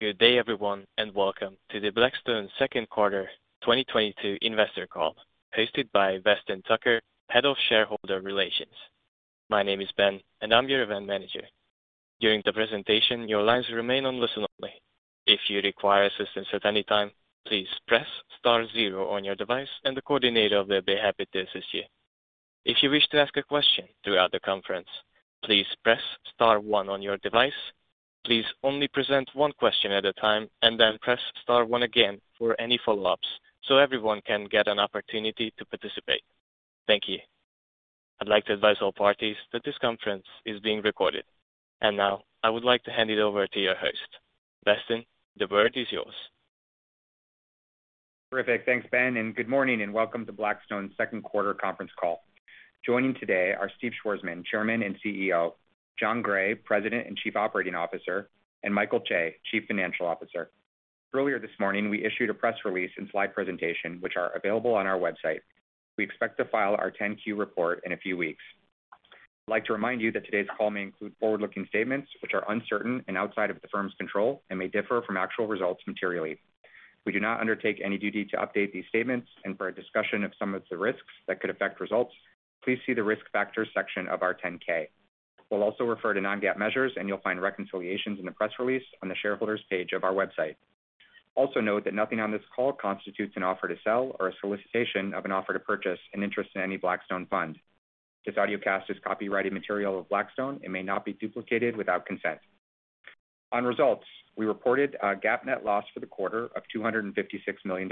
Good day, everyone, and welcome to the Blackstone Second Quarter 2022 Investor Call hosted by Weston Tucker, Head of Shareholder Relations. My name is Ben and I'm your event manager. During the presentation, your lines remain on listen only. If you require assistance at any time, please press star zero on your device and the coordinator will be happy to assist you. If you wish to ask a question throughout the conference, please press star one on your device. Please only present one question at a time and then press star one again for any follow-ups so everyone can get an opportunity to participate. Thank you. I'd like to advise all parties that this conference is being recorded. Now I would like to hand it over to your host. Weston, the word is yours. Terrific. Thanks, Ben, and good morning and welcome to Blackstone Second Quarter Conference Call. Joining today are Stephen Schwarzman, Chairman and CEO, Jon Gray, President and Chief Operating Officer, and Michael Chae, Chief Financial Officer. Earlier this morning, we issued a press release and slide presentation, which are available on our website. We expect to file our Form 10-Q report in a few weeks. I'd like to remind you that today's call may include forward-looking statements which are uncertain and outside of the firm's control and may differ from actual results materially. We do not undertake any duty to update these statements, and for a discussion of some of the risks that could affect results, please see the Risk Factors section of our Form 10-K. We'll also refer to non-GAAP measures, and you'll find reconciliations in the press release on the Shareholders page of our website. Also note that nothing on this call constitutes an offer to sell or a solicitation of an offer to purchase an interest in any Blackstone fund. This audio cast is copyrighted material of Blackstone and may not be duplicated without consent. On results, we reported a GAAP net loss for the quarter of $256 million.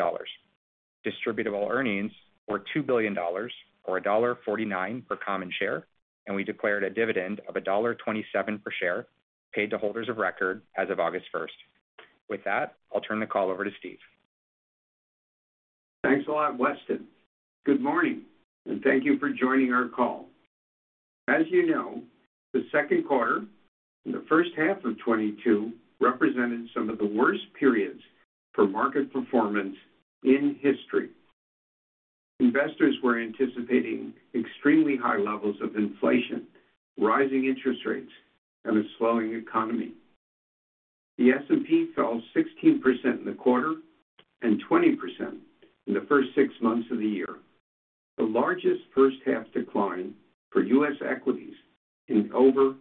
Distributable earnings were $2 billion or $1.49 per common share, and we declared a dividend of $1.27 per share paid to holders of record as of August 1st. With that, I'll turn the call over to Steve. Thanks a lot, Weston. Good morning, and thank you for joining our call. As you know, the second quarter and the first half of 2022 represented some of the worst periods for market performance in history. Investors were anticipating extremely high levels of inflation, rising interest rates, and a slowing economy. The S&P fell 16% in the quarter and 20% in the first six months of the year. The largest first half decline for U.S. equities in over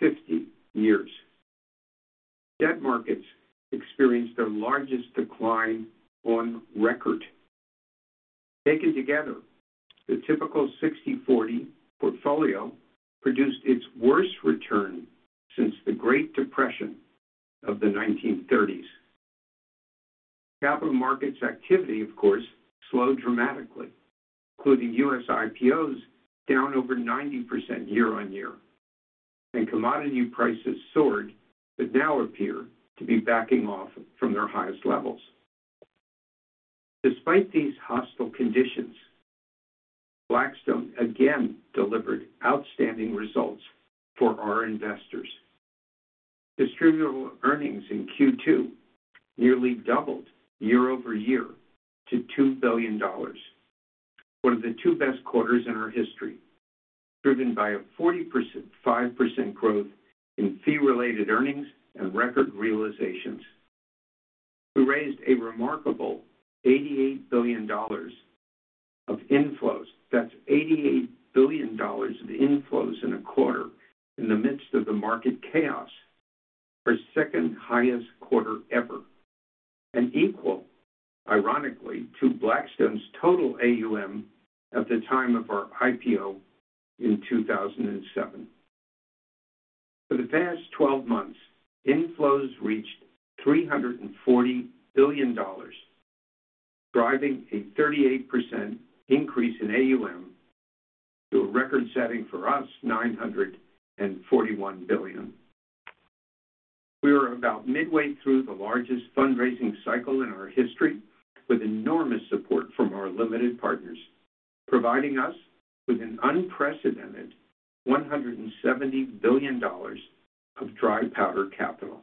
50 years. Debt markets experienced their largest decline on record. Taken together, the typical 60/40 portfolio produced its worst return since the Great Depression of the 1930s. Capital markets activity, of course, slowed dramatically, including U.S. IPOs down over 90% year-over-year. Commodity prices soared, but now appear to be backing off from their highest levels. Despite these hostile conditions, Blackstone again delivered outstanding results for our investors. Distributable earnings in Q2 nearly doubled year over year to $2 billion. One of the two best quarters in our history, driven by a 5% growth in fee-related earnings and record realizations. We raised a remarkable $88 billion of inflows. That's $88 billion of inflows in a quarter in the midst of the market chaos. Our second-highest quarter ever, and equal, ironically, to Blackstone's total AUM at the time of our IPO in 2007. For the past 12 months, inflows reached $340 billion, driving a 38% increase in AUM to a record-setting for us $941 billion. We are about midway through the largest fundraising cycle in our history, with enormous support from our limited partners, providing us with an unprecedented $170 billion of dry powder capital.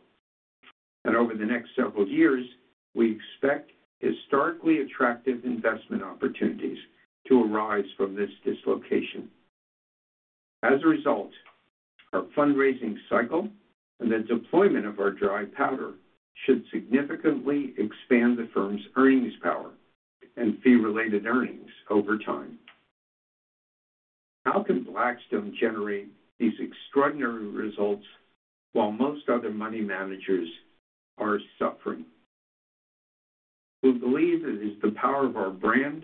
Over the next several years, we expect historically attractive investment opportunities to arise from this dislocation. As a result, our fundraising cycle and the deployment of our dry powder should significantly expand the firm's earnings power and fee-related earnings over time. How can Blackstone generate these extraordinary results while most other money managers are suffering? We believe it is the power of our brand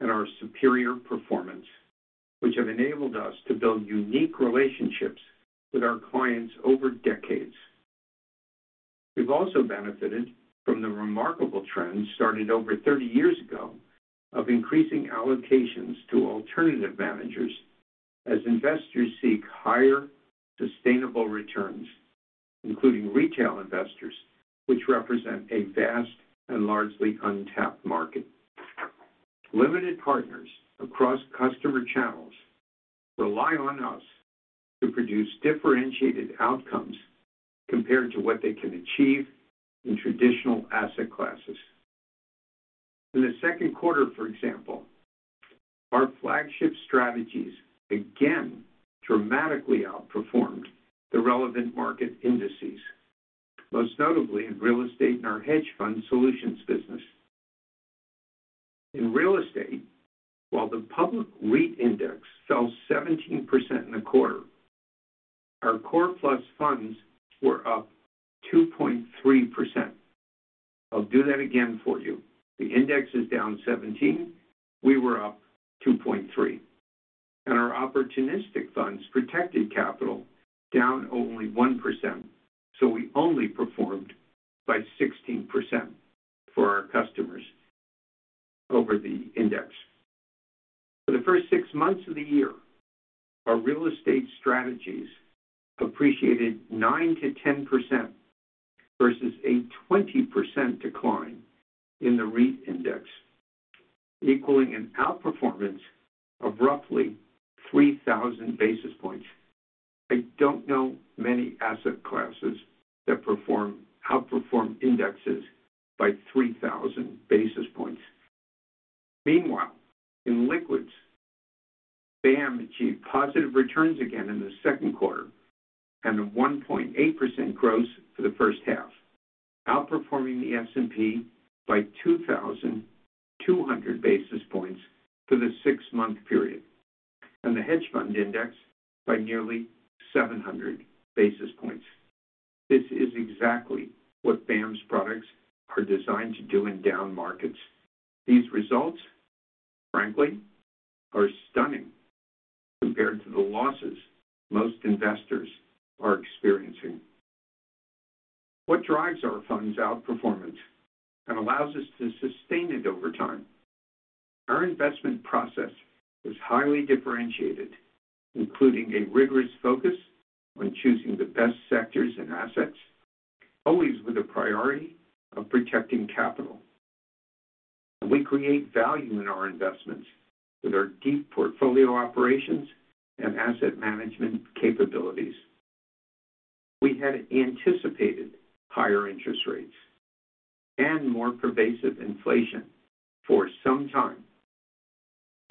and our superior performance, which have enabled us to build unique relationships with our clients over decades. We've also benefited from the remarkable trends started over 30 years ago of increasing allocations to alternative managers as investors seek higher, sustainable returns, including retail investors, which represent a vast and largely untapped market. Limited partners across customer channels rely on us to produce differentiated outcomes compared to what they can achieve in traditional asset classes. In the second quarter, for example, our flagship strategies again dramatically outperformed the relevant market indices, most notably in real estate and our hedge fund solutions business. In real estate, while the public REIT index fell 17% in the quarter, our core plus funds were up 2.3%. I'll do that again for you. The index is down 17%, we were up 2.3%. Our opportunistic funds protected capital down only 1%, so we only performed by 16% for our customers over the index. For the first six months of the year, our real estate strategies appreciated 9%-10% versus a 20% decline in the REIT index, equaling an outperformance of roughly 3,000 basis points. I don't know many asset classes that outperform indexes by 3,000 basis points. Meanwhile, in liquids, BAM achieved positive returns again in the second quarter and a 1.8% gross for the first half, outperforming the S&P by 2,200 basis points for the six-month period, and the hedge fund index by nearly 700 basis points. This is exactly what BAM's products are designed to do in down markets. These results, frankly, are stunning compared to the losses most investors are experiencing. What drives our fund's outperformance and allows us to sustain it over time? Our investment process is highly differentiated, including a rigorous focus on choosing the best sectors and assets, always with a priority of protecting capital. We create value in our investments with our deep portfolio operations and asset management capabilities. We had anticipated higher interest rates and more pervasive inflation for some time.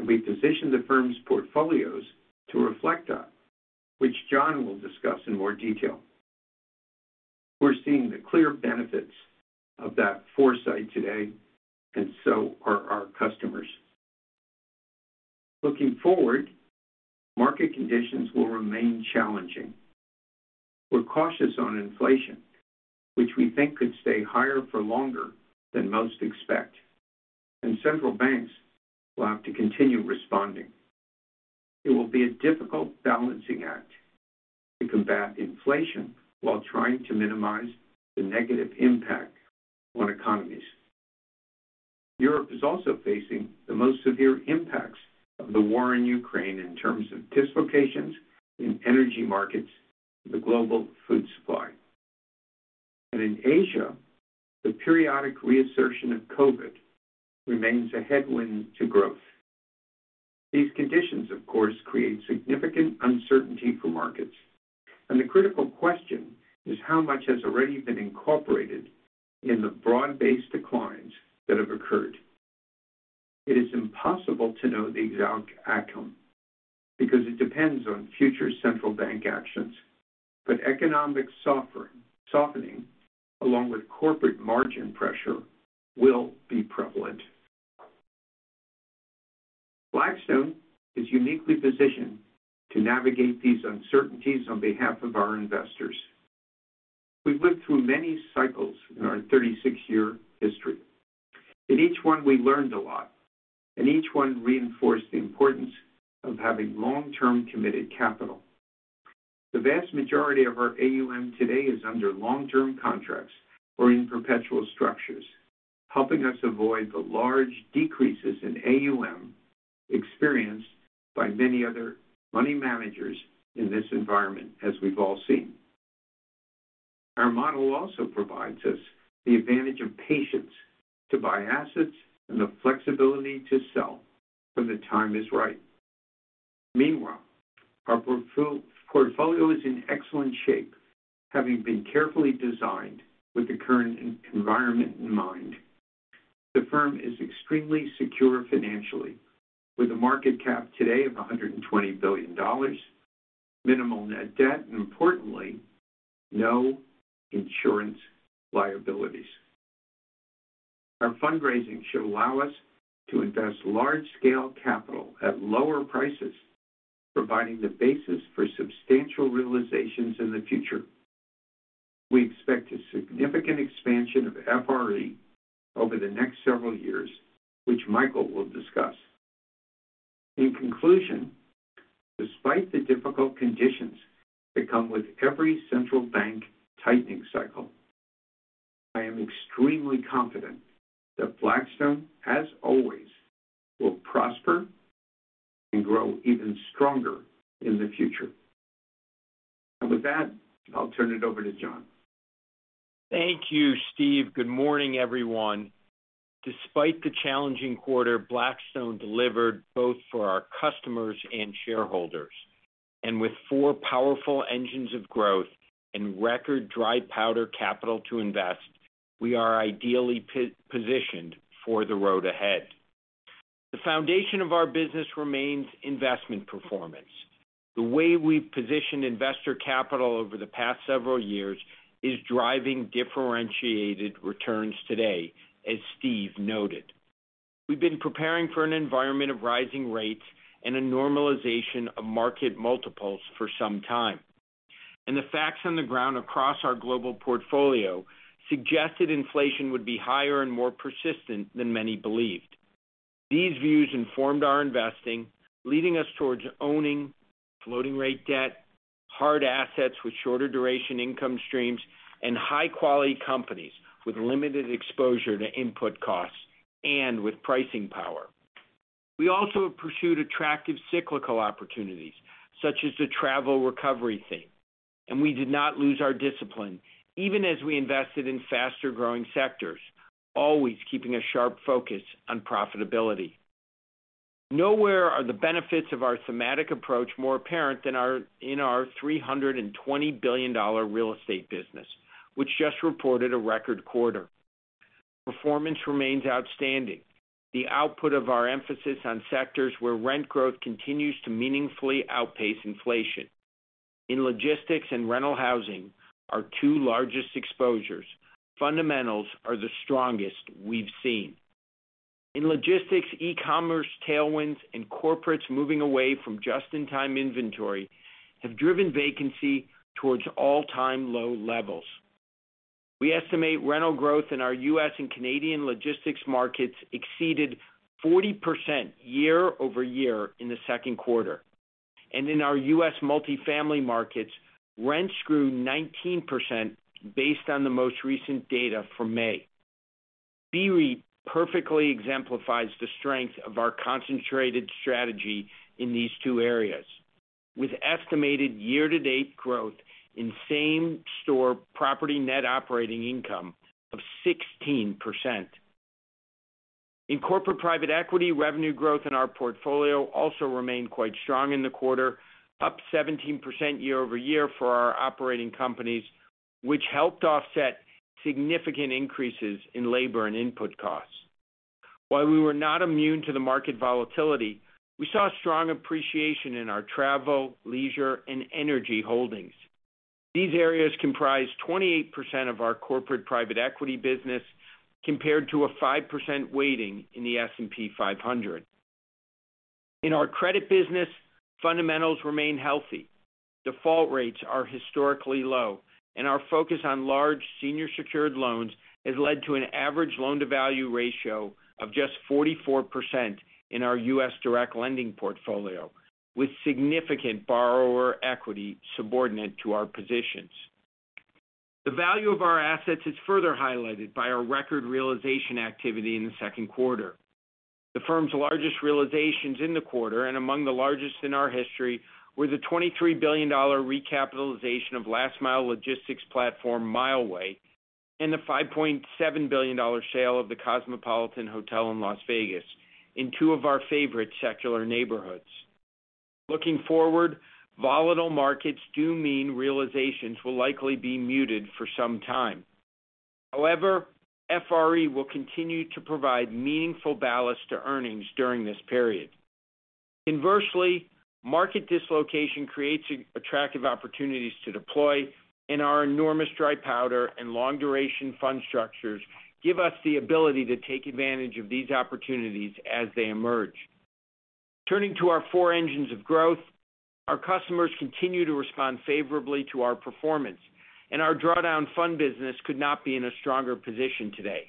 We positioned the firm's portfolios to reflect that, which Jon will discuss in more detail. We're seeing the clear benefits of that foresight today, and so are our customers. Looking forward, market conditions will remain challenging. We're cautious on inflation, which we think could stay higher for longer than most expect, and central banks will have to continue responding. It will be a difficult balancing act to combat inflation while trying to minimize the negative impact on economies. Europe is also facing the most severe impacts of the war in Ukraine in terms of dislocations in energy markets, the global food supply. In Asia, the periodic reassertion of COVID remains a headwind to growth. These conditions, of course, create significant uncertainty for markets, and the critical question is how much has already been incorporated in the broad-based declines that have occurred. It is impossible to know the exact outcome because it depends on future central bank actions. Economic softening, along with corporate margin pressure, will be prevalent. Blackstone is uniquely positioned to navigate these uncertainties on behalf of our investors. We've lived through many cycles in our 36-year history. In each one, we learned a lot, and each one reinforced the importance of having long-term committed capital. The vast majority of our AUM today is under long-term contracts or in perpetual structures, helping us avoid the large decreases in AUM experienced by many other money managers in this environment, as we've all seen. Our model also provides us the advantage of patience to buy assets and the flexibility to sell when the time is right. Meanwhile, our portfolio is in excellent shape, having been carefully designed with the current environment in mind. The firm is extremely secure financially with a market cap today of $120 billion, minimal net debt, and importantly, no insurance liabilities. Our fundraising should allow us to invest large-scale capital at lower prices, providing the basis for substantial realizations in the future. We expect a significant expansion of FRE over the next several years, which Michael will discuss. In conclusion, despite the difficult conditions that come with every central bank tightening cycle, I am extremely confident that Blackstone, as always, will prosper and grow even stronger in the future. With that, I'll turn it over to Jon. Thank you, Steve. Good morning, everyone. Despite the challenging quarter, Blackstone delivered both for our customers and shareholders. With four powerful engines of growth and record dry powder capital to invest, we are ideally positioned for the road ahead. The foundation of our business remains investment performance. The way we position investor capital over the past several years is driving differentiated returns today, as Steve noted. We've been preparing for an environment of rising rates and a normalization of market multiples for some time, and the facts on the ground across our global portfolio suggested inflation would be higher and more persistent than many believed. These views informed our investing, leading us towards owning floating rate debt, hard assets with shorter duration income streams, and high-quality companies with limited exposure to input costs and with pricing power. We also have pursued attractive cyclical opportunities such as the travel recovery theme, and we did not lose our discipline even as we invested in faster-growing sectors, always keeping a sharp focus on profitability. Nowhere are the benefits of our thematic approach more apparent than in our $320 billion real estate business, which just reported a record quarter. Performance remains outstanding. The output of our emphasis on sectors where rent growth continues to meaningfully outpace inflation. In logistics and rental housing, our two largest exposures, fundamentals are the strongest we've seen. In logistics, e-commerce tailwinds and corporates moving away from just-in-time inventory have driven vacancy towards all-time low levels. We estimate rental growth in our U.S. and Canadian logistics markets exceeded 40% year-over-year in the second quarter. In our U.S. multifamily markets, rents grew 19% based on the most recent data from May. BREIT perfectly exemplifies the strength of our concentrated strategy in these two areas. With estimated year-to-date growth in same-store property net operating income of 16%. In corporate private equity, revenue growth in our portfolio also remained quite strong in the quarter, up 17% year-over-year for our operating companies, which helped offset significant increases in labor and input costs. While we were not immune to the market volatility, we saw strong appreciation in our travel, leisure, and energy holdings. These areas comprise 28% of our corporate private equity business, compared to a 5% weighting in the S&P 500. In our credit business, fundamentals remain healthy. Default rates are historically low, and our focus on large senior secured loans has led to an average loan-to-value ratio of just 44% in our U.S. direct lending portfolio, with significant borrower equity subordinate to our positions. The value of our assets is further highlighted by our record realization activity in the second quarter. The firm's largest realizations in the quarter, and among the largest in our history, were the $23 billion recapitalization of last mile logistics platform Mileway and the $5.7 billion sale of The Cosmopolitan of Las Vegas in two of our favorite secular neighborhoods. Looking forward, volatile markets do mean realizations will likely be muted for some time. However, FRE will continue to provide meaningful ballast to earnings during this period. Inversely, market dislocation creates attractive opportunities to deploy, and our enormous dry powder and long-duration fund structures give us the ability to take advantage of these opportunities as they emerge. Turning to our four engines of growth, our customers continue to respond favorably to our performance, and our drawdown fund business could not be in a stronger position today.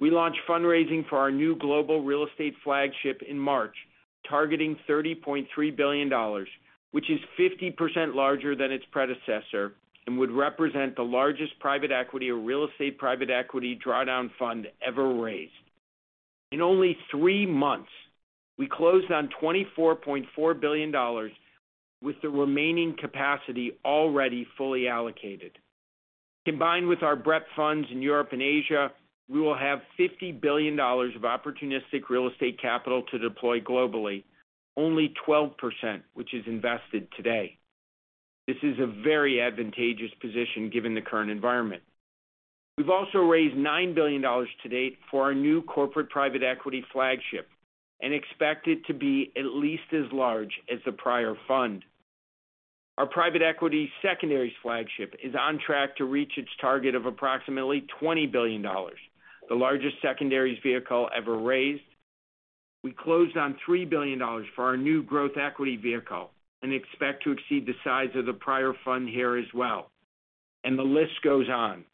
We launched fundraising for our new global real estate flagship in March, targeting $30.3 billion, which is 50% larger than its predecessor and would represent the largest private equity or real estate private equity drawdown fund ever raised. In only three months, we closed on $24.4 billion with the remaining capacity already fully allocated. Combined with our BREP funds in Europe and Asia, we will have $50 billion of opportunistic real estate capital to deploy globally, only 12% which is invested today. This is a very advantageous position given the current environment. We've also raised $9 billion to date for our new corporate private equity flagship and expect it to be at least as large as the prior fund. Our private equity secondaries flagship is on track to reach its target of approximately $20 billion, the largest secondaries vehicle ever raised. We closed on $3 billion for our new growth equity vehicle and expect to exceed the size of the prior fund here as well, and the list goes on.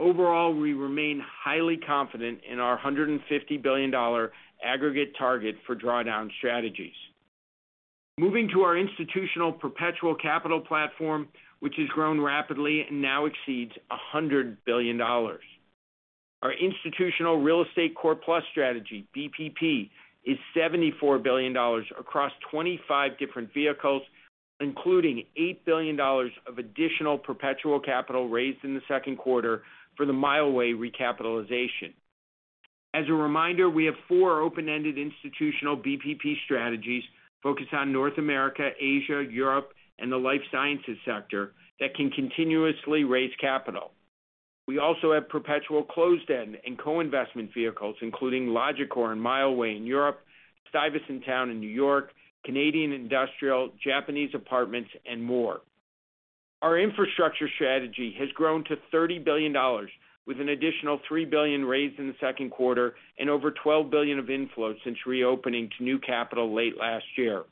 Overall, we remain highly confident in our $150 billion aggregate target for drawdown strategies. Moving to our institutional perpetual capital platform, which has grown rapidly and now exceeds $100 billion. Our institutional real estate core plus strategy, BPP, is $74 billion across 25 different vehicles, including $8 billion of additional perpetual capital raised in the second quarter for the Mileway recapitalization. As a reminder, we have four open-ended institutional BPP strategies focused on North America, Asia, Europe, and the life sciences sector that can continuously raise capital. We also have perpetual closed-end and co-investment vehicles, including Logicor and Mileway in Europe, Stuyvesant Town in New York, Canadian Industrial, Japanese Apartments, and more. Our infrastructure strategy has grown to $30 billion, with an additional $3 billion raised in the second quarter and over $12 billion of inflows since reopening to new capital late last year.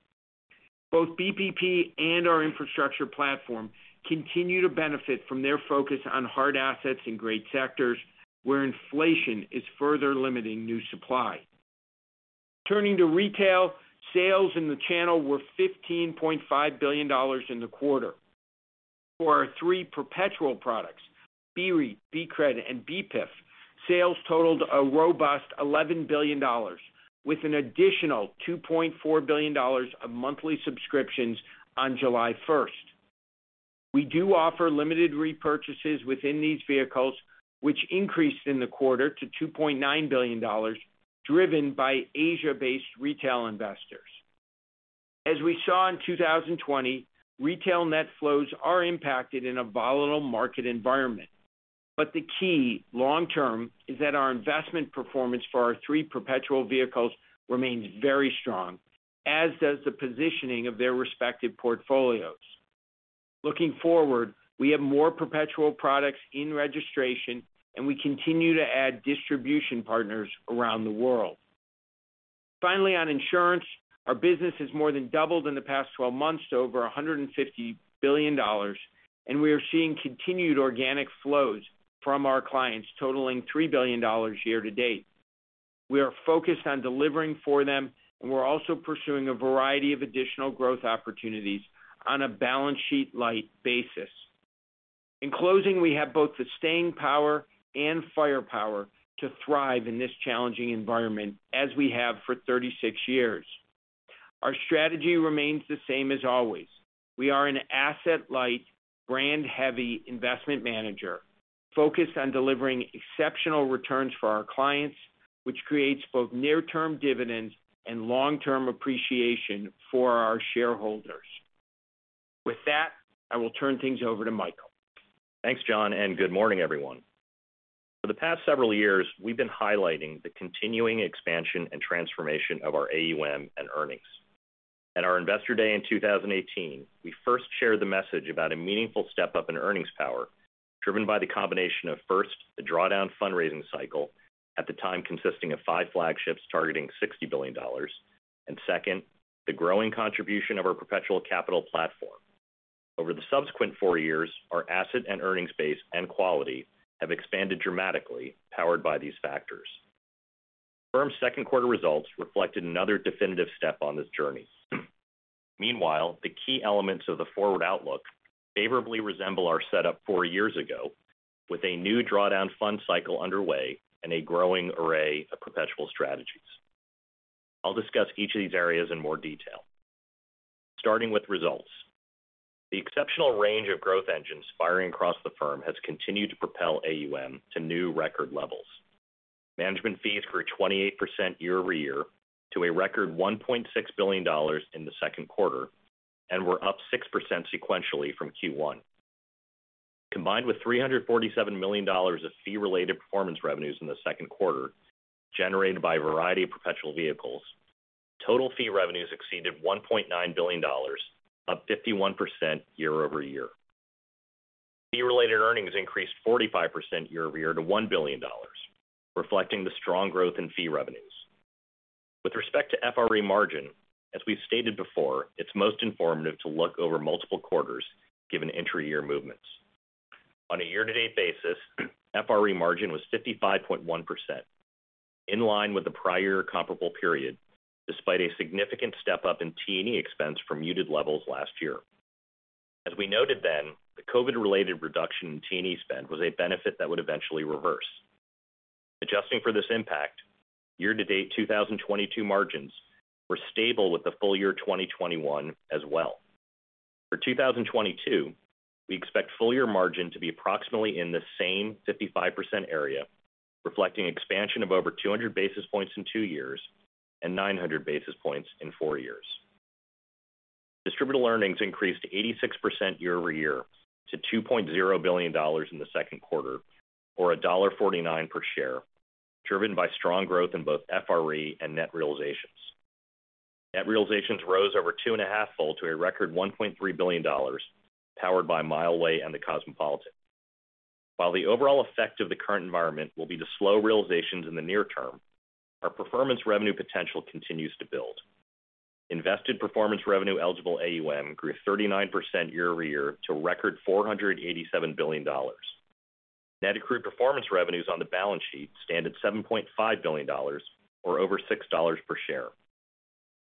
Both BPP and our infrastructure platform continue to benefit from their focus on hard assets and great sectors where inflation is further limiting new supply. Turning to retail, sales in the channel were $15.5 billion in the quarter. For our three perpetual products, BREIT, BCRED, and BEPIF, sales totaled a robust $11 billion, with an additional $2.4 billion of monthly subscriptions on July 1st. We do offer limited repurchases within these vehicles, which increased in the quarter to $2.9 billion, driven by Asia-based retail investors. As we saw in 2020, retail net flows are impacted in a volatile market environment. The key, long-term, is that our investment performance for our three perpetual vehicles remains very strong, as does the positioning of their respective portfolios. Looking forward, we have more perpetual products in registration, and we continue to add distribution partners around the world. Finally, on insurance, our business has more than doubled in the past 12 months to over $150 billion, and we are seeing continued organic flows from our clients totaling $3 billion year to date. We are focused on delivering for them, and we're also pursuing a variety of additional growth opportunities on a balance sheet light basis. In closing, we have both the staying power and firepower to thrive in this challenging environment as we have for 36 years. Our strategy remains the same as always. We are an asset-light, brand-heavy investment manager focused on delivering exceptional returns for our clients, which creates both near-term dividends and long-term appreciation for our shareholders. With that, I will turn things over to Michael. Thanks, Jon, and good morning, everyone. For the past several years, we've been highlighting the continuing expansion and transformation of our AUM and earnings. At our Investor Day in 2018, we first shared the message about a meaningful step-up in earnings power driven by the combination of, first, the drawdown fundraising cycle at the time consisting of five flagships targeting $60 billion, and second, the growing contribution of our perpetual capital platform. Over the subsequent four years, our asset and earnings base and quality have expanded dramatically, powered by these factors. Firm's second quarter results reflected another definitive step on this journey. Meanwhile, the key elements of the forward outlook favorably resemble our setup four years ago with a new drawdown fund cycle underway and a growing array of perpetual strategies. I'll discuss each of these areas in more detail. Starting with results. The exceptional range of growth engines firing across the firm has continued to propel AUM to new record levels. Management fees grew 28% year-over-year to a record $1.6 billion in the second quarter and were up 6% sequentially from Q1. Combined with $347 million of fee-related performance revenues in the second quarter generated by a variety of perpetual vehicles, total fee revenues exceeded $1.9 billion, up 51% year-over-year. Fee-related earnings increased 45% year-over-year to $1 billion, reflecting the strong growth in fee revenues. With respect to FRE margin, as we've stated before, it's most informative to look over multiple quarters given intra-year movements. On a year-to-date basis, FRE margin was 55.1%, in line with the prior comparable period, despite a significant step-up in T&E expense from muted levels last year. As we noted then, the COVID-related reduction in T&E spend was a benefit that would eventually reverse. Adjusting for this impact, year-to-date 2022 margins were stable with the full year 2021 as well. For 2022, we expect full-year margin to be approximately in the same 55% area, reflecting expansion of over 200 basis points in two years and 900 basis points in four years. Distributable earnings increased 86% year over year to $2.0 billion in the second quarter, or $1.49 per share, driven by strong growth in both FRE and net realizations. Net realizations rose over two and a half fold to a record $1.3 billion, powered by Mileway and The Cosmopolitan. While the overall effect of the current environment will be to slow realizations in the near term, our performance revenue potential continues to build. Invested performance revenue eligible AUM grew 39% year-over-year to a record $487 billion. Net accrued performance revenues on the balance sheet stand at $7.5 billion or over $6 per share.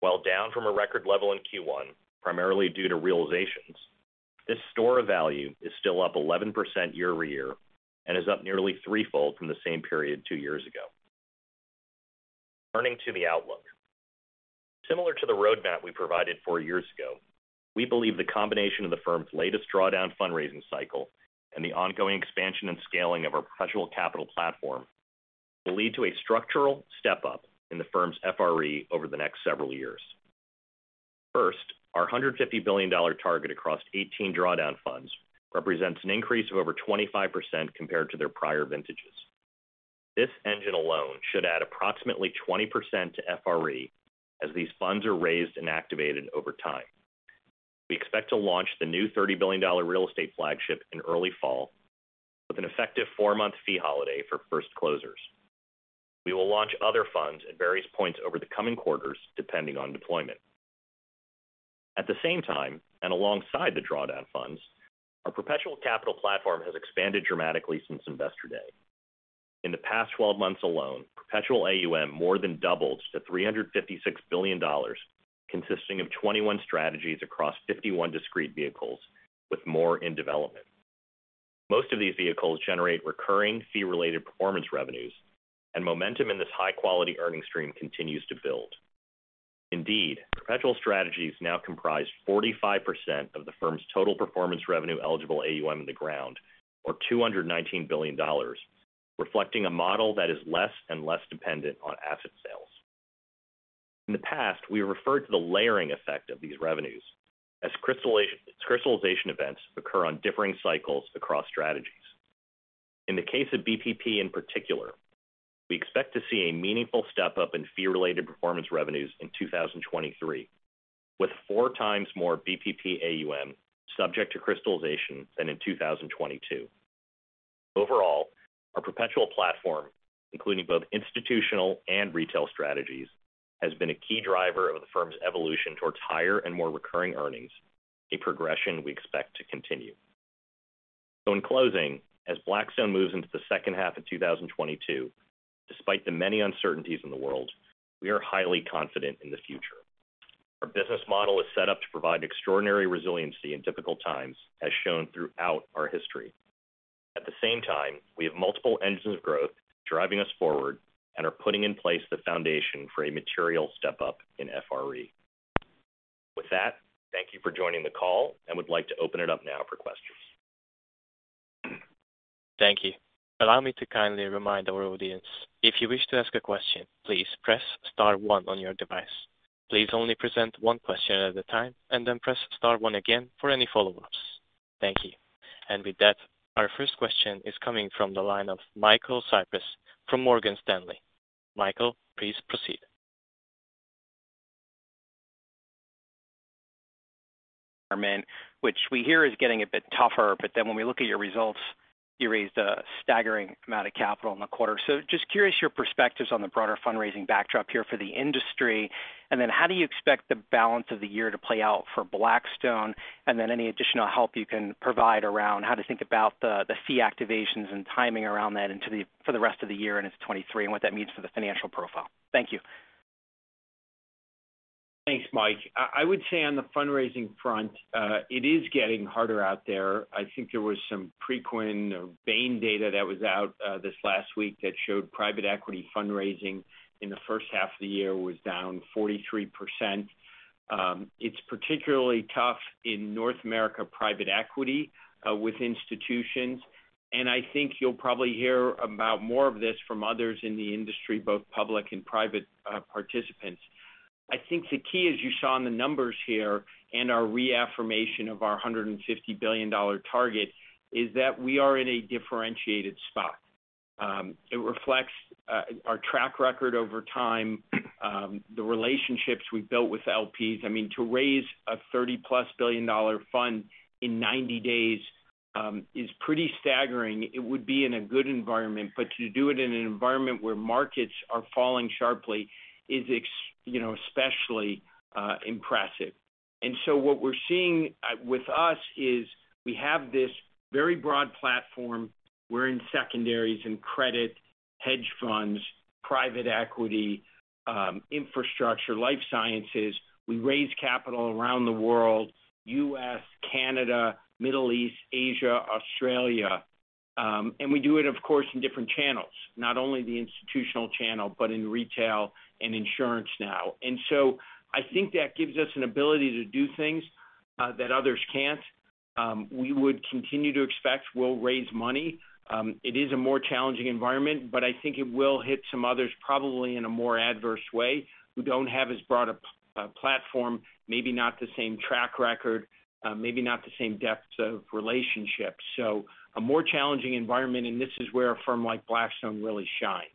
While down from a record level in Q1, primarily due to realizations, this store of value is still up 11% year-over-year and is up nearly threefold from the same period two years ago. Turning to the outlook. Similar to the roadmap we provided four years ago, we believe the combination of the firm's latest drawdown fundraising cycle and the ongoing expansion and scaling of our professional capital platform will lead to a structural step-up in the firm's FRE over the next several years. First, our $150 billion target across 18 drawdown funds represents an increase of over 25% compared to their prior vintages. This engine alone should add approximately 20% to FRE as these funds are raised and activated over time. We expect to launch the new $30 billion real estate flagship in early fall with an effective four-month fee holiday for first closers. We will launch other funds at various points over the coming quarters, depending on deployment. At the same time, and alongside the drawdown funds, our perpetual capital platform has expanded dramatically since Investor Day. In the past 12 months alone, perpetual AUM more than doubled to $356 billion, consisting of 21 strategies across 51 discrete vehicles, with more in development. Most of these vehicles generate recurring fee-related performance revenues, and momentum in this high-quality earning stream continues to build. Indeed, perpetual strategies now comprise 45% of the firm's total performance revenue eligible AUM in the ground or $219 billion, reflecting a model that is less and less dependent on asset sales. In the past, we referred to the layering effect of these revenues as crystallization. Crystallization events occur on differing cycles across strategies. In the case of BPP in particular, we expect to see a meaningful step-up in fee-related performance revenues in 2023, with 4x more BPP AUM subject to crystallization than in 2022. Overall, our perpetual platform, including both institutional and retail strategies, has been a key driver of the firm's evolution towards higher and more recurring earnings, a progression we expect to continue. In closing, as Blackstone moves into the second half of 2022, despite the many uncertainties in the world, we are highly confident in the future. Our business model is set up to provide extraordinary resiliency in difficult times, as shown throughout our history. At the same time, we have multiple engines of growth driving us forward and are putting in place the foundation for a material step-up in FRE. With that, thank you for joining the call, and we'd like to open it up now for questions. Thank you. Allow me to kindly remind our audience, if you wish to ask a question, please press star one on your device. Please only present one question at a time and then press star one again for any follow-ups. Thank you. With that, our first question is coming from the line of Michael Cyprys from Morgan Stanley. Michael, please proceed. Which we hear is getting a bit tougher, but then when we look at your results, you raised a staggering amount of capital in the quarter. Just curious, your perspectives on the broader fundraising backdrop here for the industry. How do you expect the balance of the year to play out for Blackstone? Any additional help you can provide around how to think about the fee activations and timing around that for the rest of the year and into 2023, and what that means for the financial profile. Thank you. Thanks, Mike. I would say on the fundraising front, it is getting harder out there. I think there was some Preqin or Bain data that was out this last week that showed private equity fundraising in the first half of the year was down 43%. It's particularly tough in North America private equity with institutions, and I think you'll probably hear about more of this from others in the industry, both public and private participants. I think the key, as you saw in the numbers here and our reaffirmation of our $150 billion target, is that we are in a differentiated spot. It reflects our track record over time, the relationships we've built with LPs. I mean, to raise a $30+ billion fund in 90 days is pretty staggering. It would be in a good environment, but to do it in an environment where markets are falling sharply is, you know, especially impressive. What we're seeing with us is we have this very broad platform. We're in secondaries and credit, hedge funds, private equity, infrastructure, life sciences. We raise capital around the world, U.S., Canada, Middle East, Asia, Australia. We do it, of course, in different channels. Not only the institutional channel, but in retail and insurance now. I think that gives us an ability to do things that others can't. We would continue to expect we'll raise money. It is a more challenging environment, but I think it will hit some others probably in a more adverse way, who don't have as broad a platform, maybe not the same track record, maybe not the same depths of relationships. A more challenging environment, and this is where a firm like Blackstone really shines.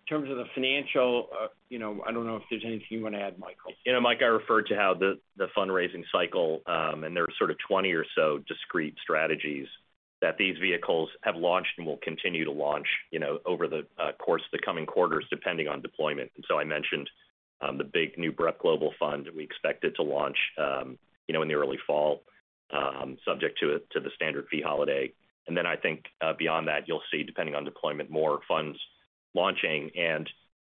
In terms of the financial, you know, I don't know if there's anything you want to add, Michael. You know, Mike, I referred to how the fundraising cycle and there are sort of 20 or so discrete strategies that these vehicles have launched and will continue to launch, you know, over the course of the coming quarters, depending on deployment. I mentioned the big new BREP global fund. We expect it to launch, you know, in the early fall, subject to the standard fee holiday. I think beyond that, you'll see, depending on deployment, more funds launching.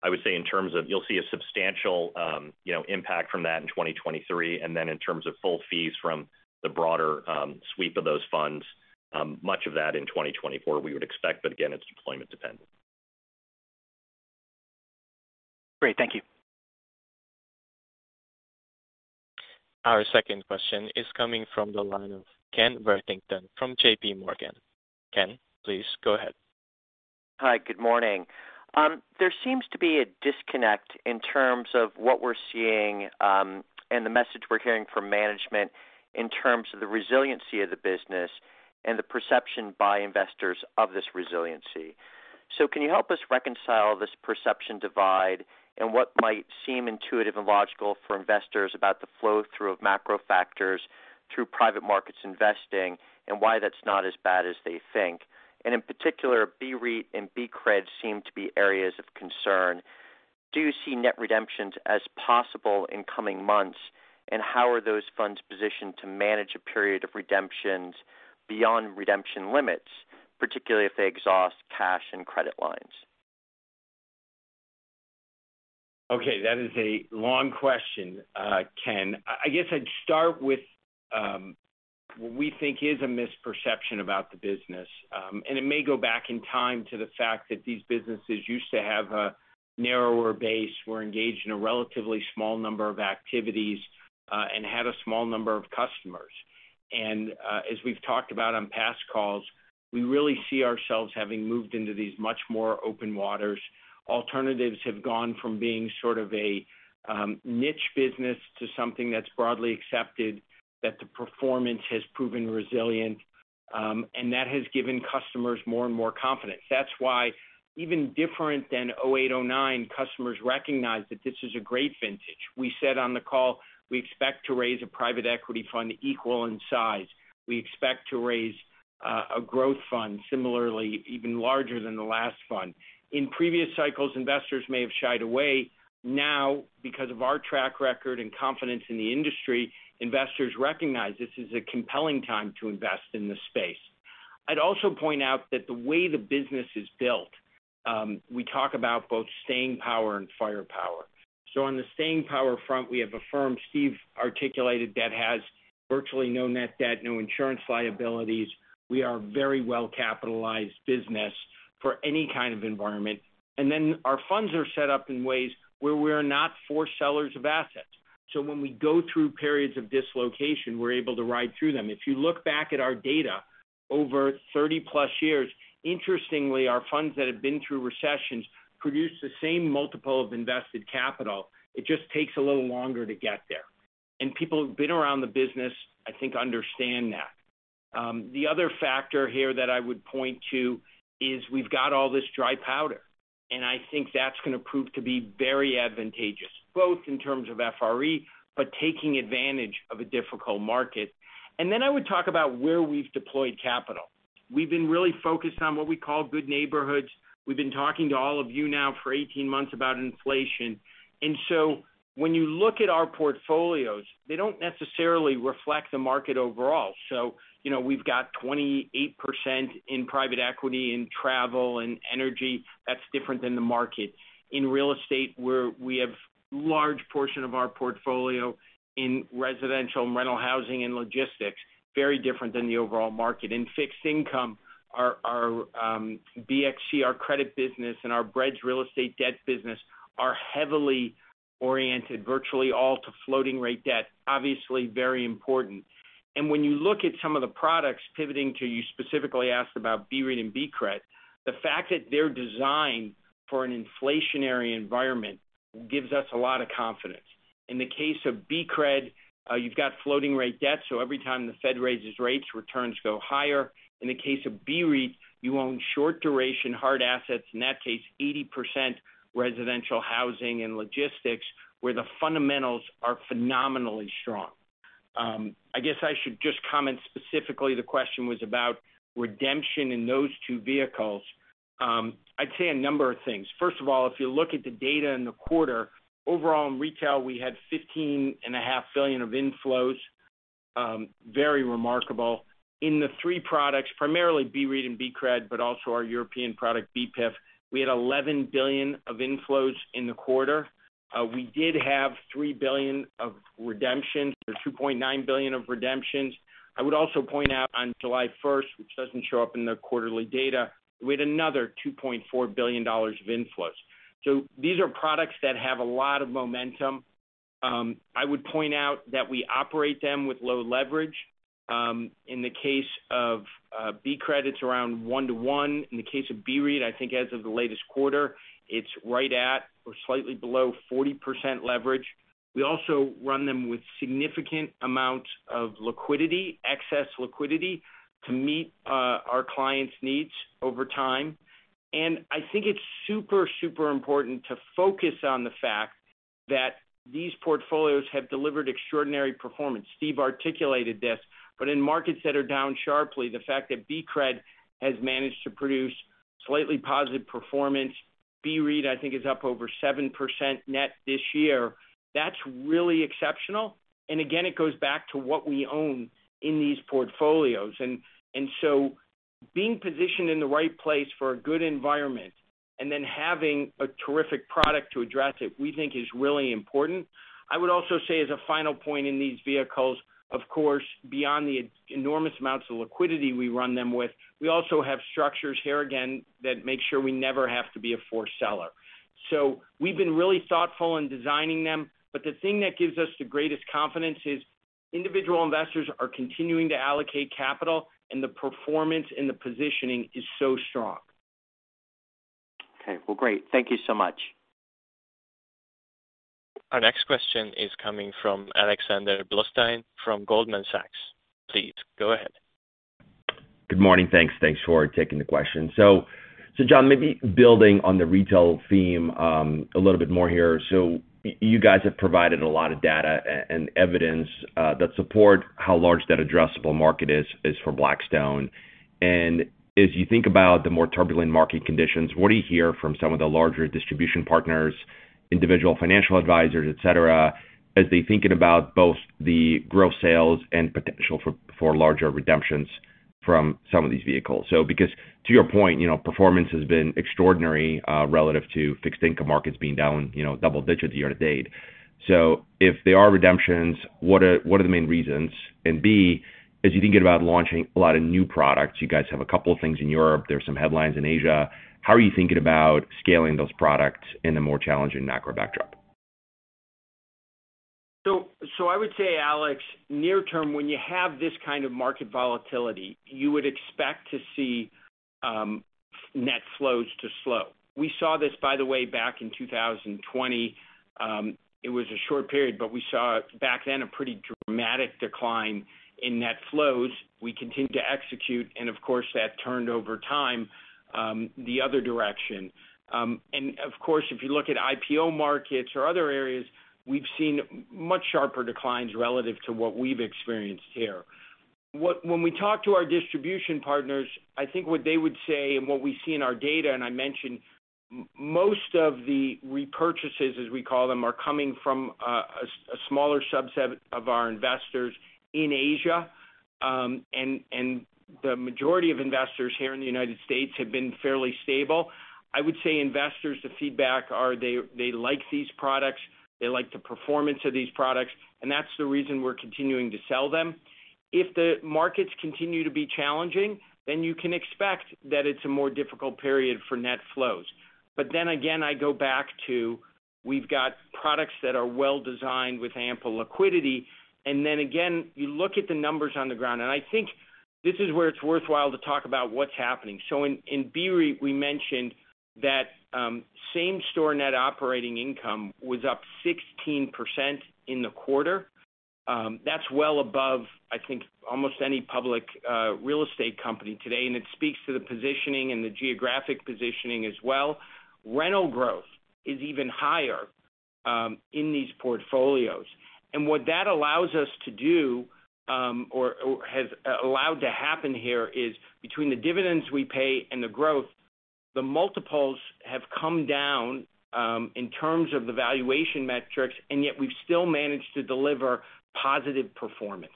I would say in terms of you'll see a substantial, you know, impact from that in 2023. In terms of full fees from the broader sweep of those funds, much of that in 2024, we would expect, but again, it's deployment dependent. Great. Thank you. Our second question is coming from the line of Kenneth Worthington from JPMorgan. Ken, please go ahead. Hi. Good morning. There seems to be a disconnect in terms of what we're seeing, and the message we're hearing from management in terms of the resiliency of the business and the perception by investors of this resiliency. Can you help us reconcile this perception divide and what might seem intuitive and logical for investors about the flow-through of macro factors through private markets investing and why that's not as bad as they think? In particular, BREIT and BCRED seem to be areas of concern. Do you see net redemptions as possible in coming months? How are those funds positioned to manage a period of redemptions beyond redemption limits, particularly if they exhaust cash and credit lines? Okay. That is a long question, Ken. I guess I'd start with what we think is a misperception about the business. It may go back in time to the fact that these businesses used to have a narrower base, were engaged in a relatively small number of activities, and had a small number of customers. As we've talked about on past calls, we really see ourselves having moved into these much more open waters. Alternatives have gone from being sort of a niche business to something that's broadly accepted, that the performance has proven resilient, and that has given customers more and more confidence. That's why even different than 2008, 2009, customers recognize that this is a great vintage. We said on the call we expect to raise a private equity fund equal in size. We expect to raise a growth fund similarly even larger than the last fund. In previous cycles, investors may have shied away. Now, because of our track record and confidence in the industry, investors recognize this is a compelling time to invest in this space. I'd also point out that the way the business is built, we talk about both staying power and firepower. On the staying power front, we have a firm Steve articulated that has virtually no net debt, no insurance liabilities. We are a very well-capitalized business for any kind of environment. Our funds are set up in ways where we are not forced sellers of assets. When we go through periods of dislocation, we're able to ride through them. If you look back at our data over 30+ years, interestingly, our funds that have been through recessions produce the same multiple of invested capital. It just takes a little longer to get there. People who've been around the business, I think, understand that. The other factor here that I would point to is we've got all this dry powder, and I think that's going to prove to be very advantageous, both in terms of FRE, but taking advantage of a difficult market. Then I would talk about where we've deployed capital. We've been really focused on what we call good neighborhoods. We've been talking to all of you now for 18 months about inflation. When you look at our portfolios, they don't necessarily reflect the market overall. You know, we've got 28% in private equity in travel and energy. That's different than the market. In real estate, we have large portion of our portfolio in residential and rental housing and logistics, very different than the overall market. In fixed income, our BXC, our credit business, and our BREDS real estate debt business are heavily oriented virtually all to floating rate debt, obviously very important. When you look at some of the products pointing to you specifically asked about BREIT and BCRED, the fact that they're designed for an inflationary environment gives us a lot of confidence. In the case of BCRED, you've got floating rate debt, so every time the Fed raises rates, returns go higher. In the case of BREIT, you own short duration, hard assets, in that case, 80% residential housing and logistics, where the fundamentals are phenomenally strong. I guess I should just comment specifically, the question was about redemption in those two vehicles. I'd say a number of things. First of all, if you look at the data in the quarter, overall in retail, we had $15.5 billion of inflows. Very remarkable. In the three products, primarily BREIT and BCRED, but also our European product, BEPIF, we had $11 billion of inflows in the quarter. We did have $3 billion of redemptions or $2.9 billion of redemptions. I would also point out on July 1st, which doesn't show up in the quarterly data, we had another $2.4 billion of inflows. These are products that have a lot of momentum. I would point out that we operate them with low leverage. In the case of BCRED, it's around one-to-one. In the case of BREIT, I think as of the latest quarter, it's right at or slightly below 40% leverage. We also run them with significant amounts of liquidity, excess liquidity to meet our clients' needs over time. I think it's super important to focus on the fact that these portfolios have delivered extraordinary performance. Steve articulated this. In markets that are down sharply, the fact that BCRED has managed to produce slightly positive performance, BREIT, I think, is up over 7% net this year. That's really exceptional. It goes back to what we own in these portfolios. Being positioned in the right place for a good environment and then having a terrific product to address it, we think is really important. I would also say as a final point in these vehicles, of course, beyond the enormous amounts of liquidity we run them with, we also have structures here, again, that make sure we never have to be a forced seller. We've been really thoughtful in designing them. The thing that gives us the greatest confidence is individual investors are continuing to allocate capital, and the performance and the positioning is so strong. Okay. Well, great. Thank you so much. Our next question is coming from Alexander Blostein from Goldman Sachs. Please go ahead. Good morning. Thanks for taking the question. So Jon, maybe building on the retail theme, a little bit more here. You guys have provided a lot of data and evidence that support how large that addressable market is for Blackstone. As you think about the more turbulent market conditions, what do you hear from some of the larger distribution partners, individual financial advisors, et cetera, as they're thinking about both the growth sales and potential for larger redemptions from some of these vehicles? Because to your point, you know, performance has been extraordinary relative to fixed income markets being down, you know, double digits year to date. If there are redemptions, what are the main reasons? B, as you think about launching a lot of new products, you guys have a couple of things in Europe, there are some headlines in Asia. How are you thinking about scaling those products in a more challenging macro backdrop? I would say, Alex, near term, when you have this kind of market volatility, you would expect to see net flows to slow. We saw this, by the way, back in 2020. It was a short period, but we saw back then a pretty dramatic decline in net flows. We continued to execute, and of course, that turned over time the other direction. And of course, if you look at IPO markets or other areas, we've seen much sharper declines relative to what we've experienced here. When we talk to our distribution partners, I think what they would say and what we see in our data, and I mentioned most of the repurchases, as we call them, are coming from a smaller subset of our investors in Asia. The majority of investors here in the United States have been fairly stable. I would say investors, the feedback are they like these products, they like the performance of these products, and that's the reason we're continuing to sell them. If the markets continue to be challenging, you can expect that it's a more difficult period for net flows. I go back to we've got products that are well-designed with ample liquidity. You look at the numbers on the ground. I think this is where it's worthwhile to talk about what's happening. In BREIT, we mentioned that same-store net operating income was up 16% in the quarter. That's well above, I think, almost any public real estate company today, and it speaks to the positioning and the geographic positioning as well. Rental growth is even higher in these portfolios. What that allows us to do or has allowed to happen here is between the dividends we pay and the growth, the multiples have come down in terms of the valuation metrics, and yet we've still managed to deliver positive performance.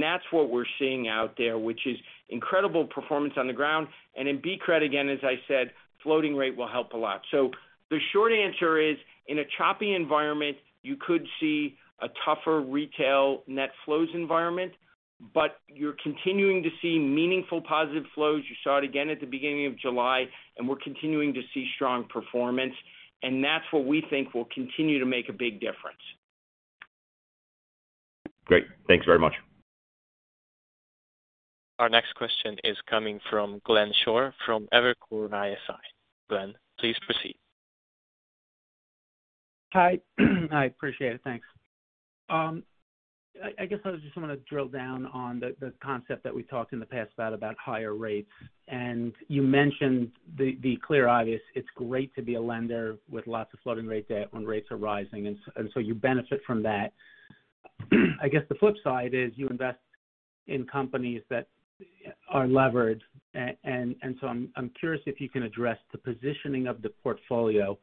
That's what we're seeing out there, which is incredible performance on the ground. In BCRED, again, as I said, floating rate will help a lot. The short answer is, in a choppy environment, you could see a tougher retail net flows environment, but you're continuing to see meaningful positive flows. You saw it again at the beginning of July, and we're continuing to see strong performance. That's what we think will continue to make a big difference. Great. Thanks very much. Our next question is coming from Glenn Schorr from Evercore ISI. Glenn, please proceed. Hi. I appreciate it. Thanks. I guess I just want to drill down on the concept that we talked in the past about higher rates. You mentioned the clearly obvious, it's great to be a lender with lots of floating rate debt when rates are rising, so you benefit from that. I guess the flip side is you invest in companies that are leveraged. I'm curious if you can address the positioning of the portfolio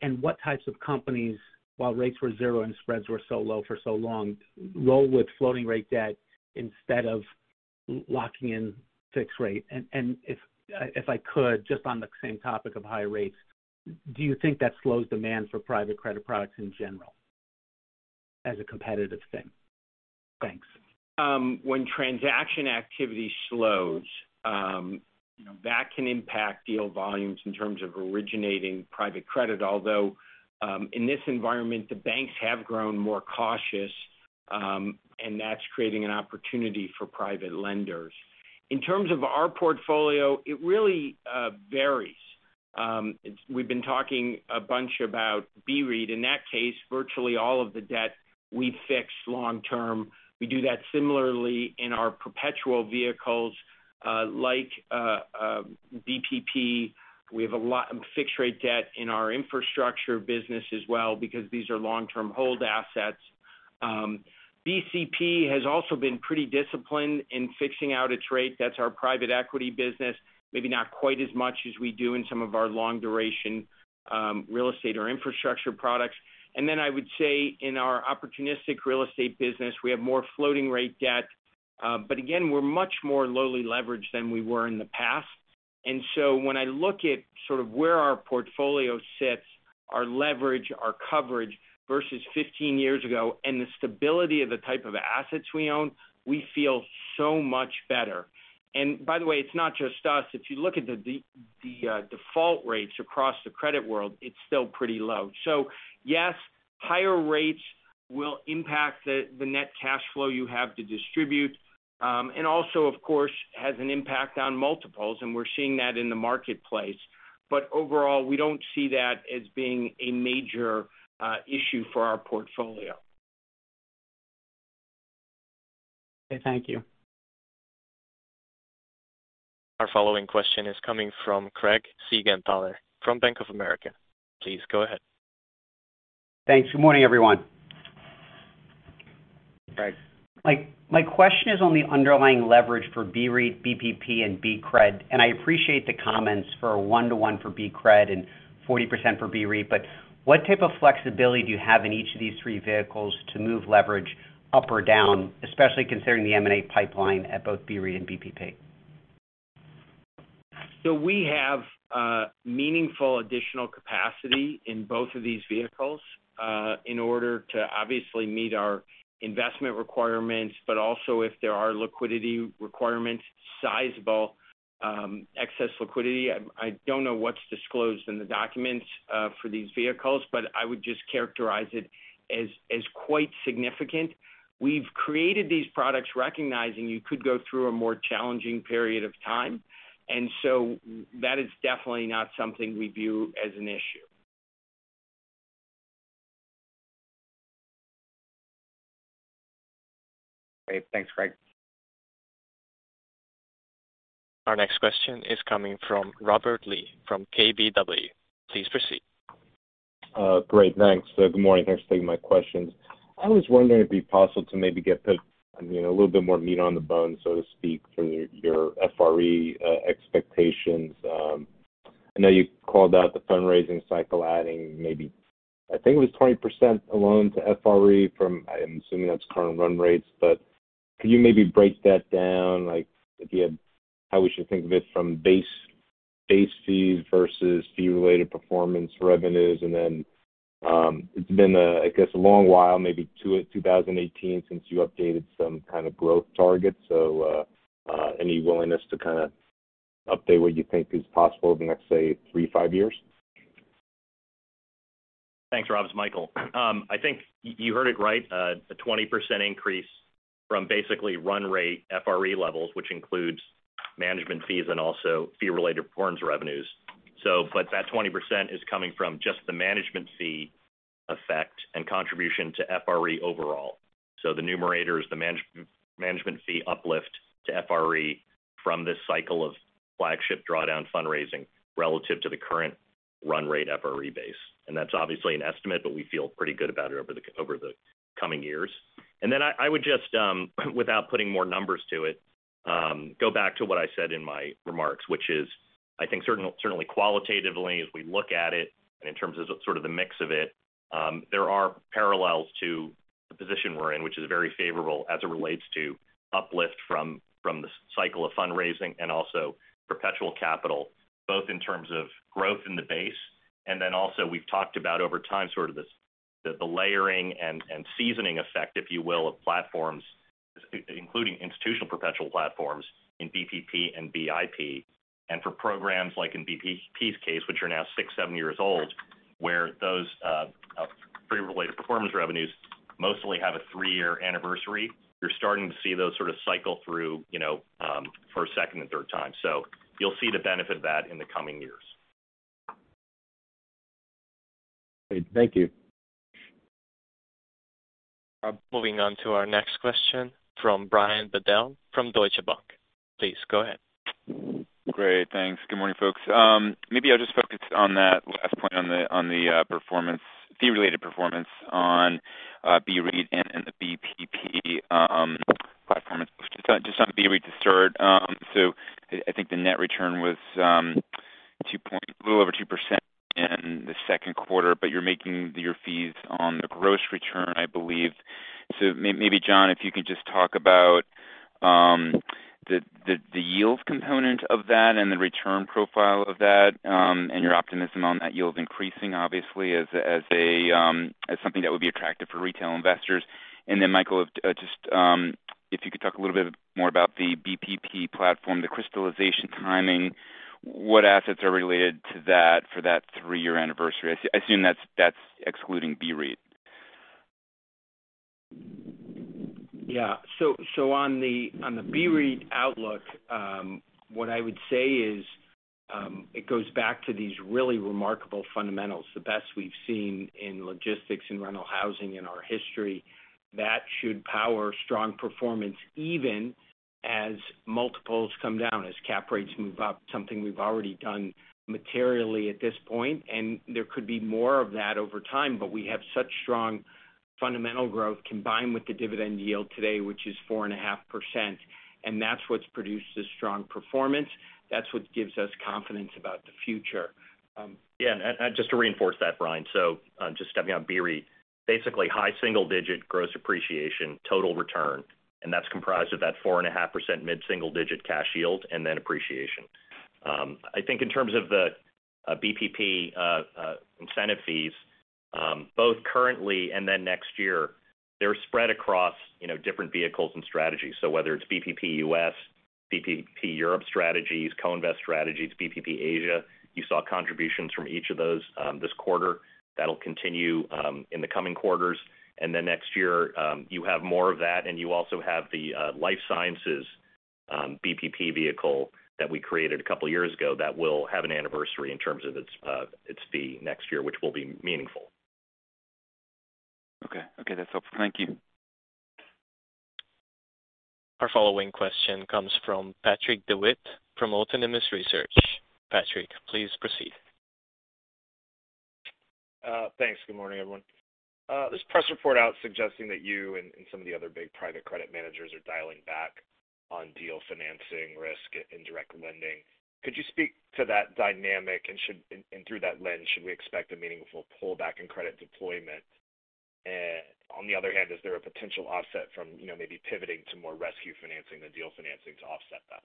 and what types of companies, while rates were zero and spreads were so low for so long, roll with floating rate debt instead of locking in fixed rate. If I could, just on the same topic of high rates, do you think that slows demand for private credit products in general as a competitive thing? Thanks. When transaction activity slows, you know, that can impact deal volumes in terms of originating private credit. Although, in this environment, the banks have grown more cautious, and that's creating an opportunity for private lenders. In terms of our portfolio, it really varies. We've been talking a bunch about BREIT. In that case, virtually all of the debt we fixed long term. We do that similarly in our perpetual vehicles, like, BPP. We have a lot of fixed rate debt in our infrastructure business as well because these are long-term hold assets. BCP has also been pretty disciplined in fixing out its rate. That's our private equity business, maybe not quite as much as we do in some of our long duration, real estate or infrastructure products. I would say in our opportunistic real estate business, we have more floating rate debt. But again, we're much more lowly leveraged than we were in the past. When I look at sort of where our portfolio sits. Our leverage, our coverage versus 15 years ago and the stability of the type of assets we own, we feel so much better. By the way, it's not just us. If you look at the default rates across the credit world, it's still pretty low. Yes, higher rates will impact the net cash flow you have to distribute, and also, of course, has an impact on multiples, and we're seeing that in the marketplace. Overall, we don't see that as being a major issue for our portfolio. Okay, thank you. Our following question is coming from Craig Siegenthaler from Bank of America. Please go ahead. Thanks. Good morning, everyone. Craig. My question is on the underlying leverage for BREIT, BPP, and BCRED. I appreciate the comments for one-to-one for BCRED and 40% for BREIT, but what type of flexibility do you have in each of these three vehicles to move leverage up or down, especially considering the M&A pipeline at both BREIT and BPP? We have meaningful additional capacity in both of these vehicles in order to obviously meet our investment requirements. We also have liquidity requirements, sizable excess liquidity. I don't know what's disclosed in the documents for these vehicles, but I would just characterize it as quite significant. We've created these products recognizing you could go through a more challenging period of time. That is definitely not something we view as an issue. Great. Thanks, Gray. Our next question is coming from Robert Lee from KBW. Please proceed. Great, thanks. Good morning. Thanks for taking my questions. I was wondering if it'd be possible to maybe get the, you know, a little bit more meat on the bone, so to speak, from your FRE expectations. I know you called out the fundraising cycle, adding maybe, I think it was 20% alone to FRE from, I'm assuming that's current run rates. But could you maybe break that down? Like, how we should think of it from base fees versus fee-related performance revenues. And then, it's been, I guess, a long while, maybe 2018 since you updated some kind of growth target. So, any willingness to kinda update what you think is possible over the next, say, three to five years? Thanks, Rob. It's Michael. I think you heard it right, a 20% increase from basically run rate FRE levels, which includes management fees and also fee-related performance revenues. That 20% is coming from just the management fee effect and contribution to FRE overall. The numerator is the management fee uplift to FRE from this cycle of flagship drawdown fundraising relative to the current run rate FRE base. That's obviously an estimate, but we feel pretty good about it over the coming years. I would just, without putting more numbers to it, go back to what I said in my remarks, which is, I think certainly qualitatively, as we look at it and in terms of sort of the mix of it, there are parallels to the position we're in, which is very favorable as it relates to uplift from the super-cycle of fundraising and also perpetual capital, both in terms of growth in the base. We've talked about over time, sort of this layering and seasoning effect, if you will, of platforms, including institutional perpetual platforms in BPP and BIP. For programs like in BPP's case, which are now six, seven years old, where those fee-related performance revenues mostly have a three-year anniversary. You're starting to see those sort of cycle through, you know, for a second and third time. You'll see the benefit of that in the coming years. Great. Thank you. Moving on to our next question from Brian Bedell from Deutsche Bank. Please go ahead. Great, thanks. Good morning, folks. Maybe I'll just focus on that last point on the performance, fee-related performance on BREIT and the BPP platform. Just on BREIT to start. I think the net return was a little over 2% in the second quarter, but you're making your fees on the gross return, I believe. Maybe, Jon, if you could just talk about the yield component of that and the return profile of that and your optimism on that yield increasing obviously as something that would be attractive for retail investors. Michael, just if you could talk a little bit more about the BPP platform, the crystallization timing, what assets are related to that for that three-year anniversary? I assume that's excluding BREIT. Yeah. On the BREIT outlook, what I would say is, it goes back to these really remarkable fundamentals, the best we've seen in logistics and rental housing in our history. That should power strong performance, even as multiples come down, as cap rates move up, something we've already done materially at this point, and there could be more of that over time. But we have such strong fundamental growth combined with the dividend yield today, which is 4.5%, and that's what's produced this strong performance. That's what gives us confidence about the future. Yeah, just to reinforce that, Brian. Just stepping on BREIT basically high single-digit gross appreciation total return. That's comprised of that 4.5% mid-single-digit cash yield and then appreciation. I think in terms of the BPP incentive fees, both currently and then next year, they're spread across, you know, different vehicles and strategies. So whether it's BPP U.S., BPP Europe strategies, co-invest strategies, BPP Asia, you saw contributions from each of those this quarter. That'll continue in the coming quarters. Then next year, you have more of that, and you also have the life sciences BPP vehicle that we created a couple years ago that will have an anniversary in terms of its fee next year, which will be meaningful. Okay. Okay, that's all. Thank you. Our following question comes from Patrick Davitt from Autonomous Research. Patrick, please proceed. Thanks. Good morning, everyone. There's a press report out suggesting that you and some of the other big private credit managers are dialing back on deal financing risk, indirect lending. Could you speak to that dynamic? Through that lens, should we expect a meaningful pullback in credit deployment? On the other hand, is there a potential offset from, you know, maybe pivoting to more rescue financing than deal financing to offset that?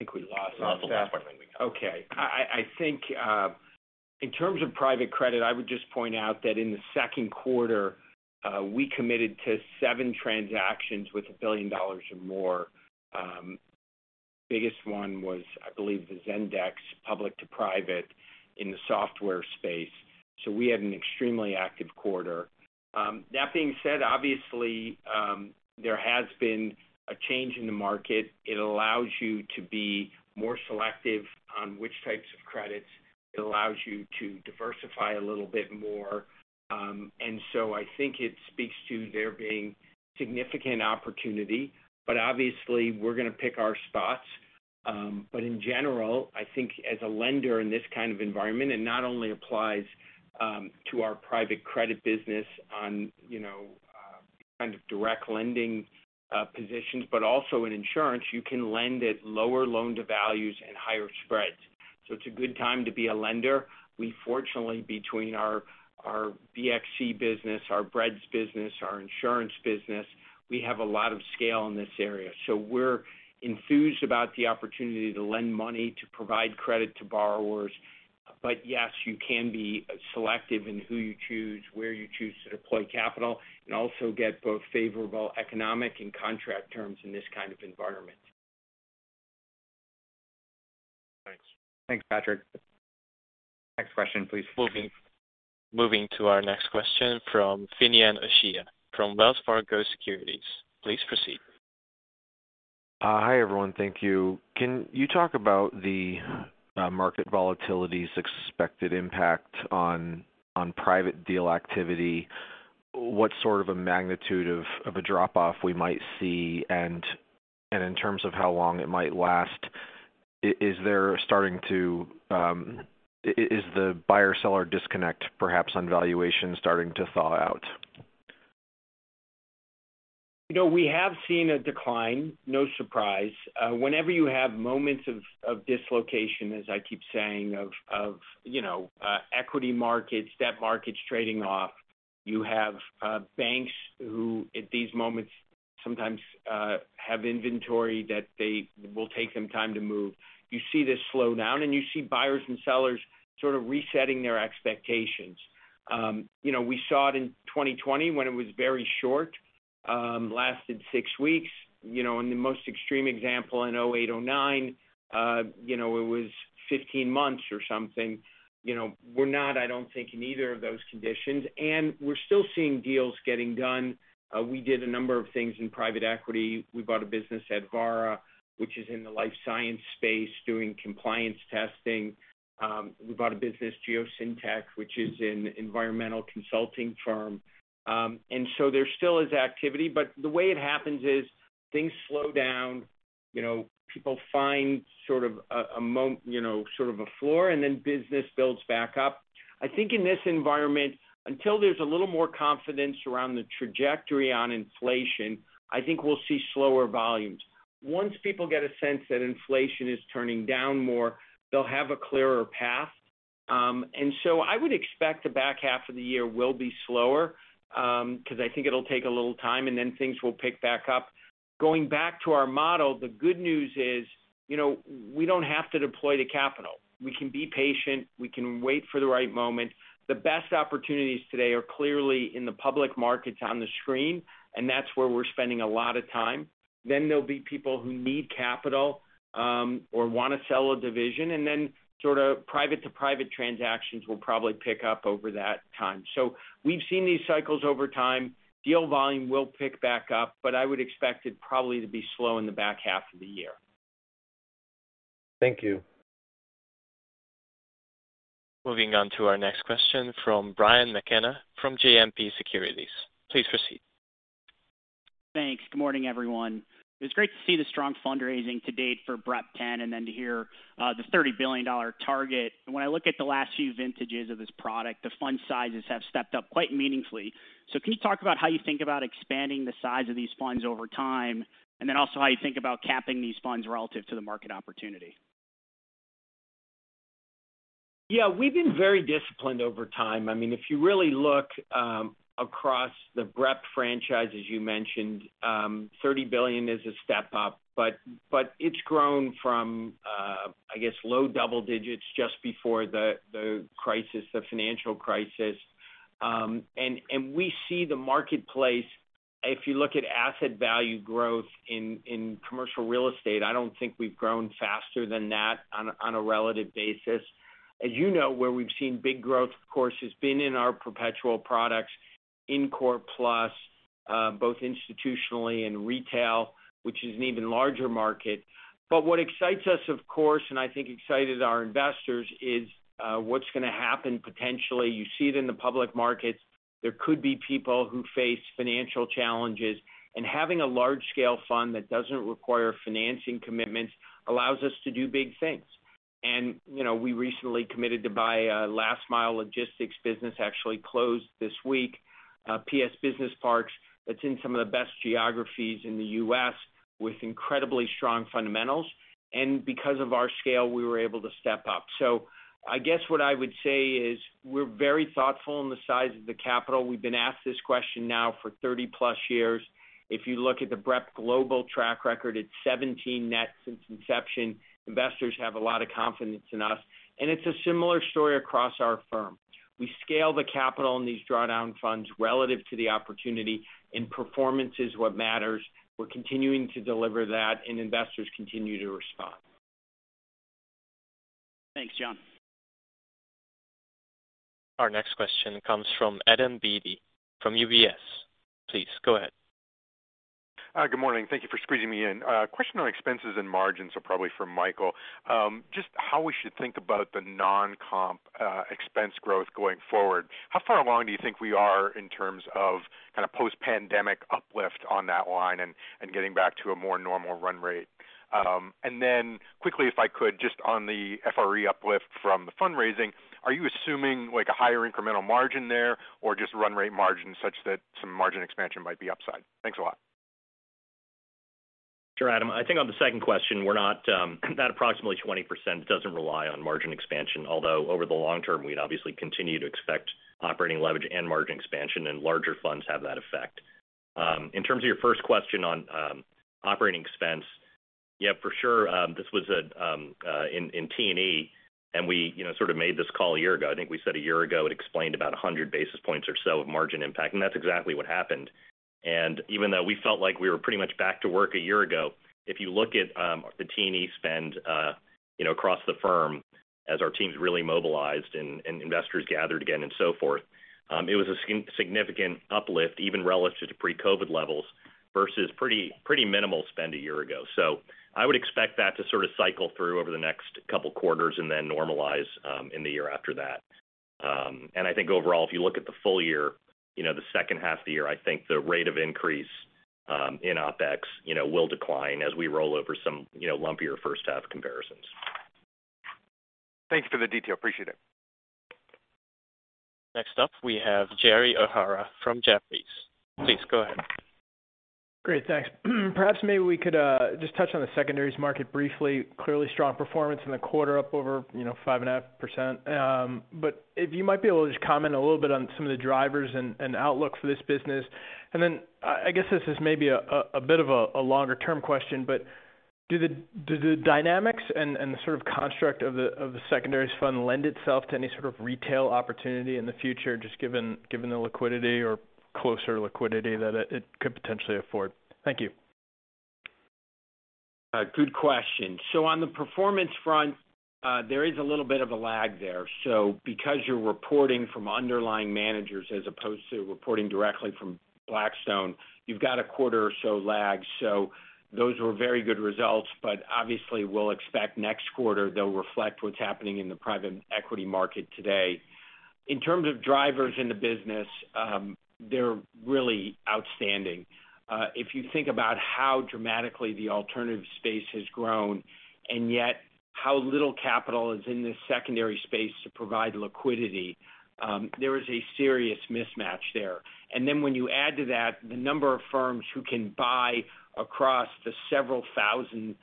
I think we lost Patrick. Okay. I think in terms of private credit, I would just point out that in the second quarter, we committed to seven transactions with $1 billion or more. Biggest one was, I believe, the Zendesk public to private in the software space. We had an extremely active quarter. That being said, obviously, there has been a change in the market. It allows you to be more selective on which types of credits. It allows you to diversify a little bit more. I think it speaks to there being significant opportunity, but obviously we're gonna pick our spots. In general, I think as a lender in this kind of environment, it not only applies to our private credit business on, you know, kind of direct lending positions, but also in insurance, you can lend at lower loan to values and higher spreads. It's a good time to be a lender. We fortunately, between our BXC business, our BREDS business, our insurance business, we have a lot of scale in this area. We're enthused about the opportunity to lend money, to provide credit to borrowers. Yes, you can be selective in who you choose, where you choose to deploy capital, and also get both favorable economic and contract terms in this kind of environment. Thanks. Thanks, Patrick. Next question, please. Moving to our next question from Finian O'Shea from Wells Fargo Securities. Please proceed. Hi, everyone. Thank you. Can you talk about the market volatility's expected impact on private deal activity? What sort of a magnitude of a drop-off we might see? In terms of how long it might last, is the buyer-seller disconnect perhaps on valuation starting to thaw out? You know, we have seen a decline, no surprise. Whenever you have moments of dislocation, as I keep saying, of you know, equity markets, debt markets trading off, you have banks who at these moments sometimes have inventory that they will take some time to move. You see this slow down, and you see buyers and sellers sort of resetting their expectations. You know, we saw it in 2020 when it was very short, lasted six weeks. You know, in the most extreme example in 2008, 2009, you know, it was 15 months or something. You know, we're not, I don't think, in either of those conditions, and we're still seeing deals getting done. We did a number of things in private equity. We bought a business at VERAXA, which is in the life science space doing compliance testing. We bought a business, Geosyntec, which is an environmental consulting firm. There still is activity, but the way it happens is things slow down. You know, people find sort of a floor, and then business builds back up. I think in this environment, until there's a little more confidence around the trajectory on inflation, I think we'll see slower volumes. Once people get a sense that inflation is turning down more, they'll have a clearer path. I would expect the back half of the year will be slower, 'cause I think it'll take a little time, and then things will pick back up. Going back to our model, the good news is, you know, we don't have to deploy the capital. We can be patient, we can wait for the right moment. The best opportunities today are clearly in the public markets on the screen, and that's where we're spending a lot of time. There'll be people who need capital, or wanna sell a division, and then sorta private to private transactions will probably pick up over that time. We've seen these cycles over time. Deal volume will pick back up, but I would expect it probably to be slow in the back half of the year. Thank you. Moving on to our next question from Brian McKenna from JMP Securities. Please proceed. Thanks. Good morning, everyone. It's great to see the strong fundraising to date for BREP X and then to hear the $30 billion target. When I look at the last few vintages of this product, the fund sizes have stepped up quite meaningfully. Can you talk about how you think about expanding the size of these funds over time, and then also how you think about capping these funds relative to the market opportunity? Yeah, we've been very disciplined over time. I mean, if you really look across the BREP franchise, as you mentioned, $30 billion is a step up, but it's grown from, I guess, low double digits just before the crisis, the financial crisis. We see the marketplace, if you look at asset value growth in commercial real estate, I don't think we've grown faster than that on a relative basis. As you know, where we've seen big growth, of course, has been in our perpetual products in Core+, both institutionally and retail, which is an even larger market. What excites us, of course, and I think excited our investors, is what's gonna happen potentially. You see it in the public markets. There could be people who face financial challenges, and having a large-scale fund that doesn't require financing commitments allows us to do big things. You know, we recently committed to buy a last mile logistics business actually closed this week, PS Business Parks. That's in some of the best geographies in the U.S. with incredibly strong fundamentals. Because of our scale, we were able to step up. I guess what I would say is we're very thoughtful in the size of the capital. We've been asked this question now for 30+ years. If you look at the BREP global track record, it's 17% net since inception. Investors have a lot of confidence in us, and it's a similar story across our firm. We scale the capital in these drawdown funds relative to the opportunity, and performance is what matters. We're continuing to deliver that, and investors continue to respond. Thanks, John. Our next question comes from Adam Beatty from UBS. Please go ahead. Good morning. Thank you for squeezing me in. A question on expenses and margins, so probably for Michael. Just how we should think about the non-comp expense growth going forward. How far along do you think we are in terms of kind of post-pandemic uplift on that line and getting back to a more normal run rate? Quickly, if I could, just on the FRE uplift from the fundraising, are you assuming, like, a higher incremental margin there, or just run rate margin such that some margin expansion might be upside? Thanks a lot. Sure, Adam. I think on the second question, we're not that approximately 20% doesn't rely on margin expansion, although over the long term, we'd obviously continue to expect operating leverage and margin expansion, and larger funds have that effect. In terms of your first question on operating expense, yeah, for sure, this was in T&E, and we, you know, sort of made this call a year ago. I think we said a year ago it explained about 100 basis points or so of margin impact, and that's exactly what happened. Even though we felt like we were pretty much back to work a year ago, if you look at the T&E spend, you know, across the firm as our teams really mobilized and investors gathered again and so forth, it was a significant uplift, even relative to pre-COVID levels versus pretty minimal spend a year ago. I would expect that to sort of cycle through over the next couple quarters and then normalize in the year after that. I think overall, if you look at the full year, you know, the second half of the year, I think the rate of increase in OpEx, you know, will decline as we roll over some, you know, lumpier first half comparisons. Thanks for the detail. Appreciate it. Next up, we have Gerald O'Hara from Jefferies. Please go ahead. Great. Thanks. Perhaps maybe we could just touch on the secondaries market briefly. Clearly strong performance in the quarter up over, you know, 5.5%. But if you might be able to just comment a little bit on some of the drivers and outlook for this business. Then I guess this is maybe a bit of a longer term question, but do the dynamics and the sort of construct of the secondaries fund lend itself to any sort of retail opportunity in the future, just given the liquidity or closer liquidity that it could potentially afford? Thank you. Good question. On the performance front, there is a little bit of a lag there. Because you're reporting from underlying managers as opposed to reporting directly from Blackstone, you've got a quarter or so lag. Those were very good results, but obviously we'll expect next quarter they'll reflect what's happening in the private equity market today. In terms of drivers in the business, they're really outstanding. If you think about how dramatically the alternative space has grown, and yet how little capital is in this secondary space to provide liquidity, there is a serious mismatch there. Then when you add to that the number of firms who can buy across the several thousand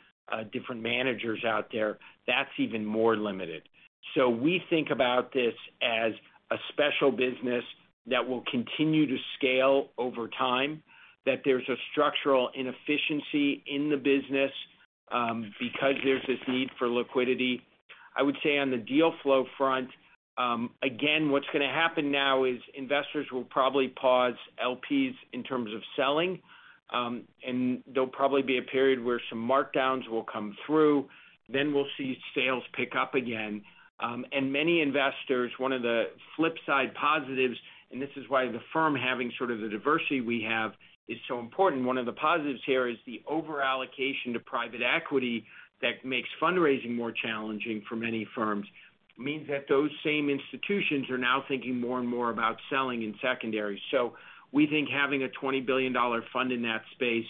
different managers out there, that's even more limited. We think about this as a special business that will continue to scale over time, that there's a structural inefficiency in the business, because there's this need for liquidity. I would say on the deal flow front, again, what's gonna happen now is investors will probably pause LPs in terms of selling, and there'll probably be a period where some markdowns will come through, then we'll see sales pick up again. Many investors, one of the flip side positives, and this is why the firm having sort of the diversity we have is so important. One of the positives here is the over-allocation to private equity that makes fundraising more challenging for many firms, means that those same institutions are now thinking more and more about selling in secondary. We think having a $20 billion fund in that space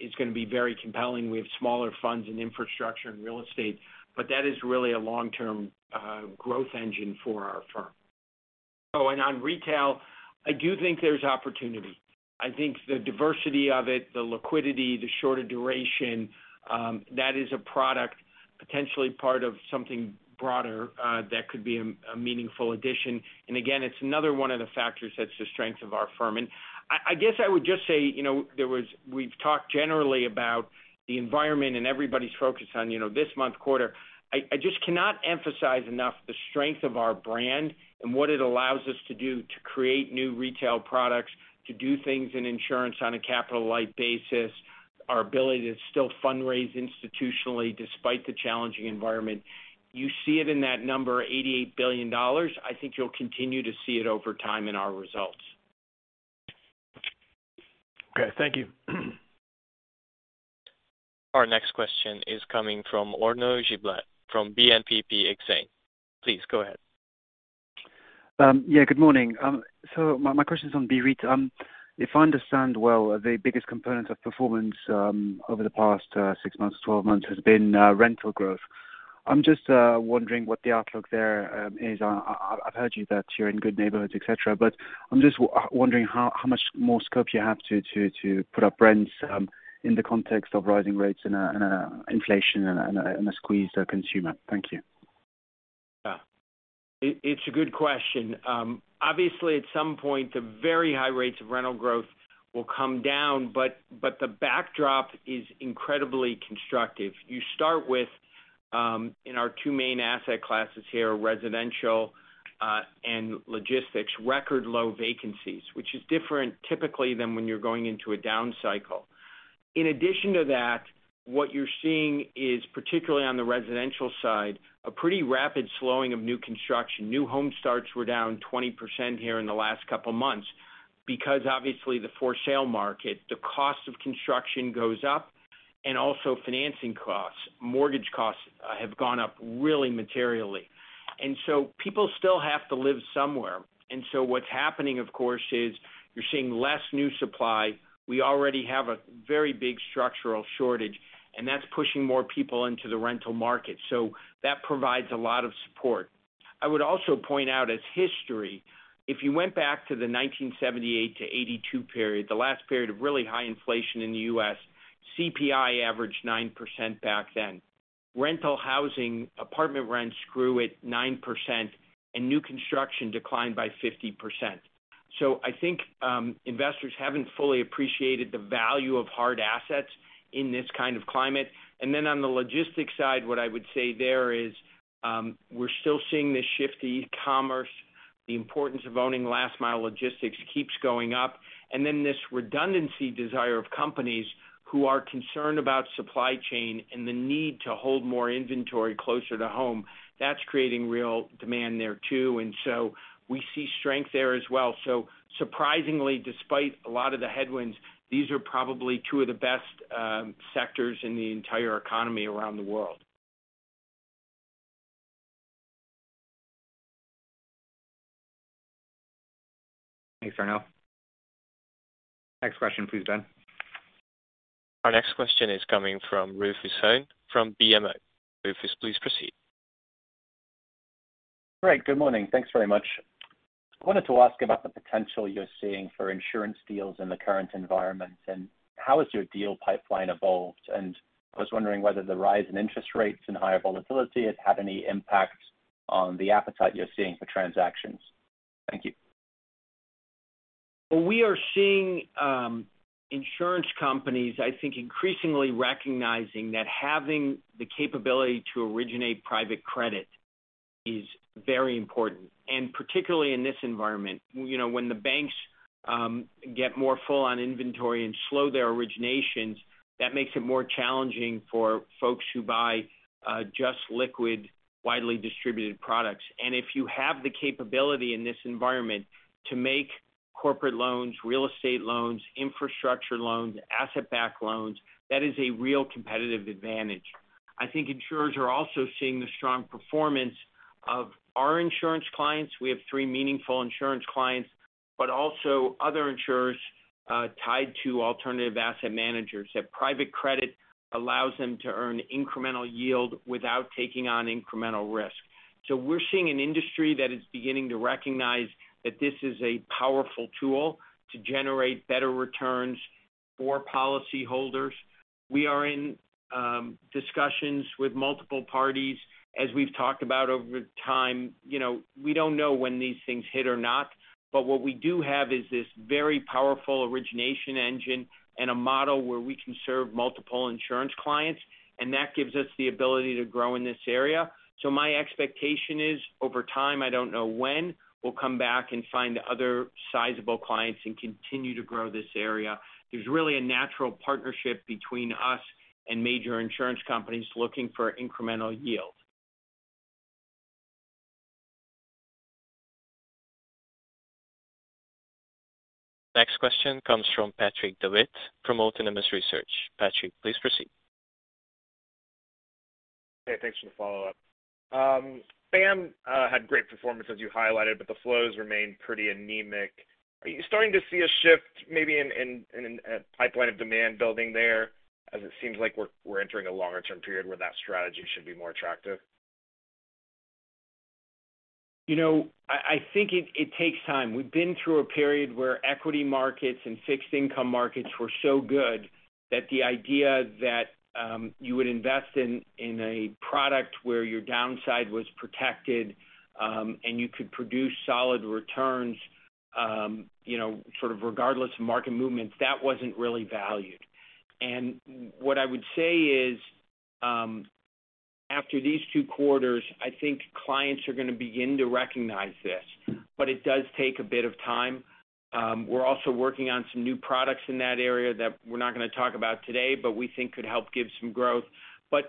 is gonna be very compelling. We have smaller funds in infrastructure and real estate, but that is really a long-term growth engine for our firm. Oh, on retail, I do think there's opportunity. I think the diversity of it, the liquidity, the shorter duration, that is a product potentially part of something broader, that could be a meaningful addition. Again, it's another one of the factors that's the strength of our firm. I guess I would just say, you know, we've talked generally about the environment and everybody's focus on, you know, this month's quarter. I just cannot emphasize enough the strength of our brand and what it allows us to do to create new retail products, to do things in insurance on a capital light basis, our ability to still fundraise institutionally despite the challenging environment. You see it in that number $88 billion. I think you'll continue to see it over time in our results. Okay, thank you. Our next question is coming from Arnaud Giblat from BNP Paribas Exane. Please go ahead. Yeah, good morning. My question is on BREIT. If I understand well, the biggest component of performance over the past six months, 12 months has been rental growth. I'm just wondering what the outlook there is. I've heard you that you're in good neighborhoods, et cetera, but I'm just wondering how much more scope you have to put up rents in the context of rising rates and inflation and a squeezed consumer. Thank you. Yeah. It's a good question. Obviously at some point, the very high rates of rental growth will come down, but the backdrop is incredibly constructive. You start with, in our two main asset classes here, residential and logistics, record low vacancies, which is different typically than when you're going into a down cycle. In addition to that, what you're seeing is, particularly on the residential side, a pretty rapid slowing of new construction. New home starts were down 20% here in the last couple of months because obviously the for sale market, the cost of construction goes up and also financing costs. Mortgage costs have gone up really materially. People still have to live somewhere. What's happening, of course, is you're seeing less new supply. We already have a very big structural shortage, and that's pushing more people into the rental market. That provides a lot of support. I would also point out in history, if you went back to the 1978 to 1982 period, the last period of really high inflation in the U.S., CPI averaged 9% back then. Rental housing apartment rents grew at 9% and new construction declined by 50%. I think investors haven't fully appreciated the value of hard assets in this kind of climate. On the logistics side, what I would say there is, we're still seeing this shift to e-commerce. The importance of owning last mile logistics keeps going up. This redundancy desire of companies who are concerned about supply chain and the need to hold more inventory closer to home, that's creating real demand there too. We see strength there as well. Surprisingly, despite a lot of the headwinds, these are probably two of the best sectors in the entire economy around the world. Thanks, Arnaud. Next question, please, Ben. Our next question is coming from Rufus Hone from BMO. Rufus, please proceed. All right. Good morning. Thanks very much. I wanted to ask about the potential you're seeing for insurance deals in the current environment and how has your deal pipeline evolved? I was wondering whether the rise in interest rates and higher volatility has had any impact on the appetite you're seeing for transactions? Thank you. We are seeing insurance companies, I think, increasingly recognizing that having the capability to originate private credit is very important, and particularly in this environment. You know, when the banks get more full on inventory and slow their originations, that makes it more challenging for folks who buy just liquid, widely distributed products. And if you have the capability in this environment to make corporate loans, real estate loans, infrastructure loans, asset-backed loans, that is a real competitive advantage. I think insurers are also seeing the strong performance of our insurance clients. We have three meaningful insurance clients, but also other insurers tied to alternative asset managers. That private credit allows them to earn incremental yield without taking on incremental risk. We're seeing an industry that is beginning to recognize that this is a powerful tool to generate better returns for policy holders. We are in discussions with multiple parties. As we've talked about over time, you know, we don't know when these things hit or not, but what we do have is this very powerful origination engine and a model where we can serve multiple insurance clients, and that gives us the ability to grow in this area. My expectation is over time, I don't know when, we'll come back and find other sizable clients and continue to grow this area. There's really a natural partnership between us and major insurance companies looking for incremental yield. Next question comes from Patrick Davitt from Autonomous Research. Patrick, please proceed. Hey, thanks for the follow-up. BAM had great performance as you highlighted, but the flows remain pretty anemic. Are you starting to see a shift maybe in pipeline of demand building there as it seems like we're entering a longer term period where that strategy should be more attractive? You know, I think it takes time. We've been through a period where equity markets and fixed income markets were so good that the idea that you would invest in a product where your downside was protected and you could produce solid returns, you know, sort of regardless of market movements, that wasn't really valued. What I would say is, after these two quarters, I think clients are gonna begin to recognize this, but it does take a bit of time. We're also working on some new products in that area that we're not gonna talk about today, but we think could help give some growth.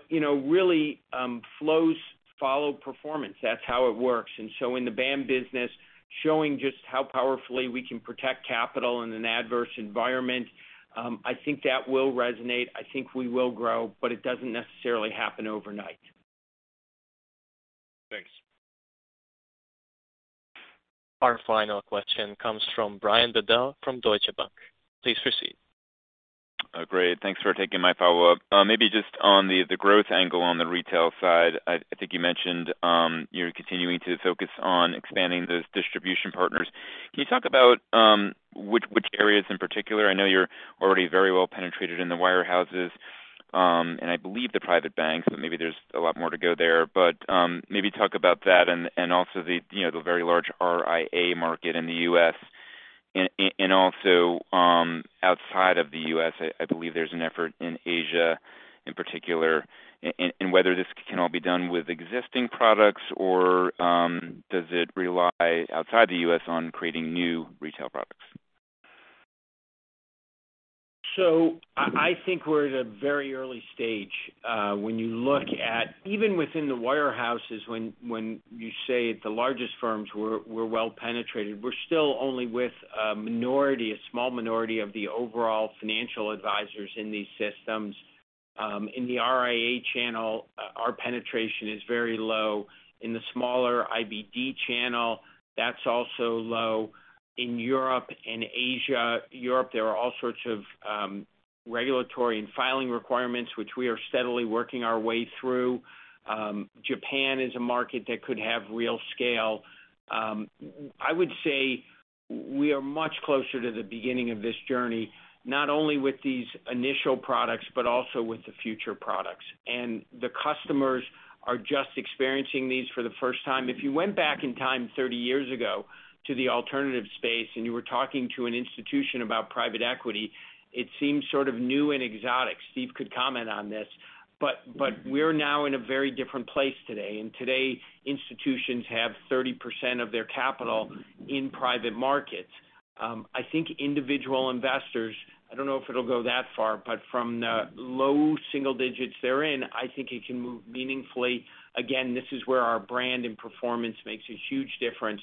You know, really, flows follow performance. That's how it works. In the BAM business, showing just how powerfully we can protect capital in an adverse environment, I think that will resonate. I think we will grow, but it doesn't necessarily happen overnight. Thanks. Our final question comes from Brian Bedell from Deutsche Bank. Please proceed. Great. Thanks for taking my follow-up. Maybe just on the growth angle on the retail side. I think you mentioned you're continuing to focus on expanding those distribution partners. Can you talk about which areas in particular? I know you're already very well penetrated in the wirehouses, and I believe the private banks, but maybe there's a lot more to go there. Maybe talk about that and also the, you know, the very large RIA market in the U.S. and also outside of the U.S. I believe there's an effort in Asia in particular. And whether this can all be done with existing products or does it rely outside of the U.S. on creating new retail products? I think we're at a very early stage. When you look at even within the wirehouses, when you say at the largest firms, we're well penetrated, we're still only with a minority, a small minority of the overall financial advisors in these systems. In the RIA channel, our penetration is very low. In the smaller IBD channel, that's also low. In Europe and Asia. Europe, there are all sorts of regulatory and filing requirements, which we are steadily working our way through. Japan is a market that could have real scale. I would say we are much closer to the beginning of this journey, not only with these initial products, but also with the future products. The customers are just experiencing these for the first time. If you went back in time 30 years ago to the alternative space, and you were talking to an institution about private equity, it seemed sort of new and exotic. Steve could comment on this. We're now in a very different place today. Today, institutions have 30% of their capital in private markets. I think individual investors, I don't know if it'll go that far, but from the low single digits they're in, I think it can move meaningfully. Again, this is where our brand and performance makes a huge difference.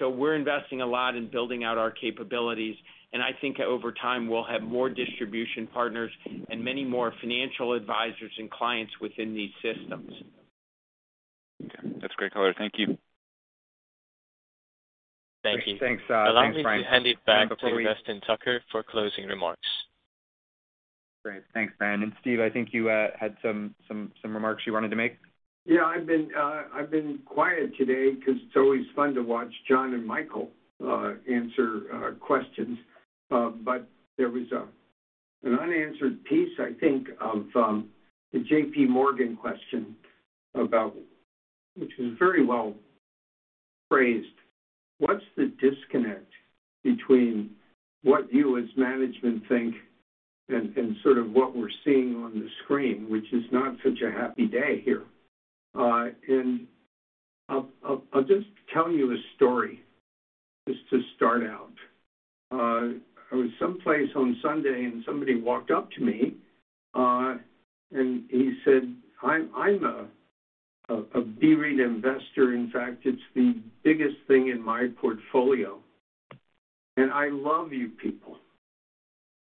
We're investing a lot in building out our capabilities. I think over time, we'll have more distribution partners and many more financial advisors and clients within these systems. Okay. That's great color. Thank you. Thank you. Thanks. Thanks, Brian. Allow me to hand it back to Weston Tucker for closing remarks. Great. Thanks, Ben. Steve, I think you had some remarks you wanted to make. Yeah, I've been quiet today 'cause it's always fun to watch Jon and Michael answer questions. There was an unanswered piece, I think, of the JPMorgan question, which was very well phrased. What's the disconnect between what you as management think and sort of what we're seeing on the screen, which is not such a happy day here? I'll just tell you a story just to start out. I was someplace on Sunday and somebody walked up to me, and he said, "I'm a BREIT investor. In fact, it's the biggest thing in my portfolio. And I love you people.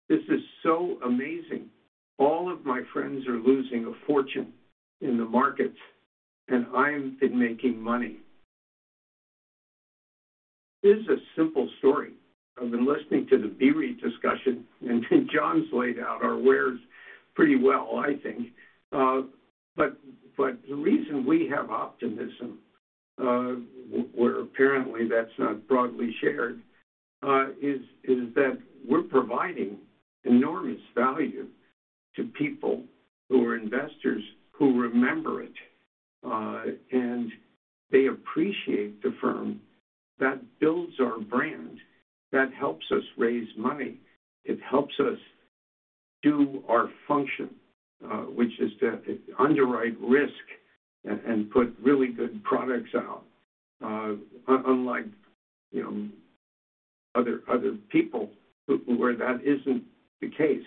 This is so amazing. All of my friends are losing a fortune in the markets, and I've been making money." This is a simple story. I've been listening to the BREIT discussion, and Jon's laid out our wares pretty well, I think. The reason we have optimism, where apparently that's not broadly shared, is that we're providing enormous value to people who are investors who remember it, and they appreciate the firm. That builds our brand, that helps us raise money. It helps us do our function, which is to underwrite risk and put really good products out, unlike, you know, other people where that isn't the case.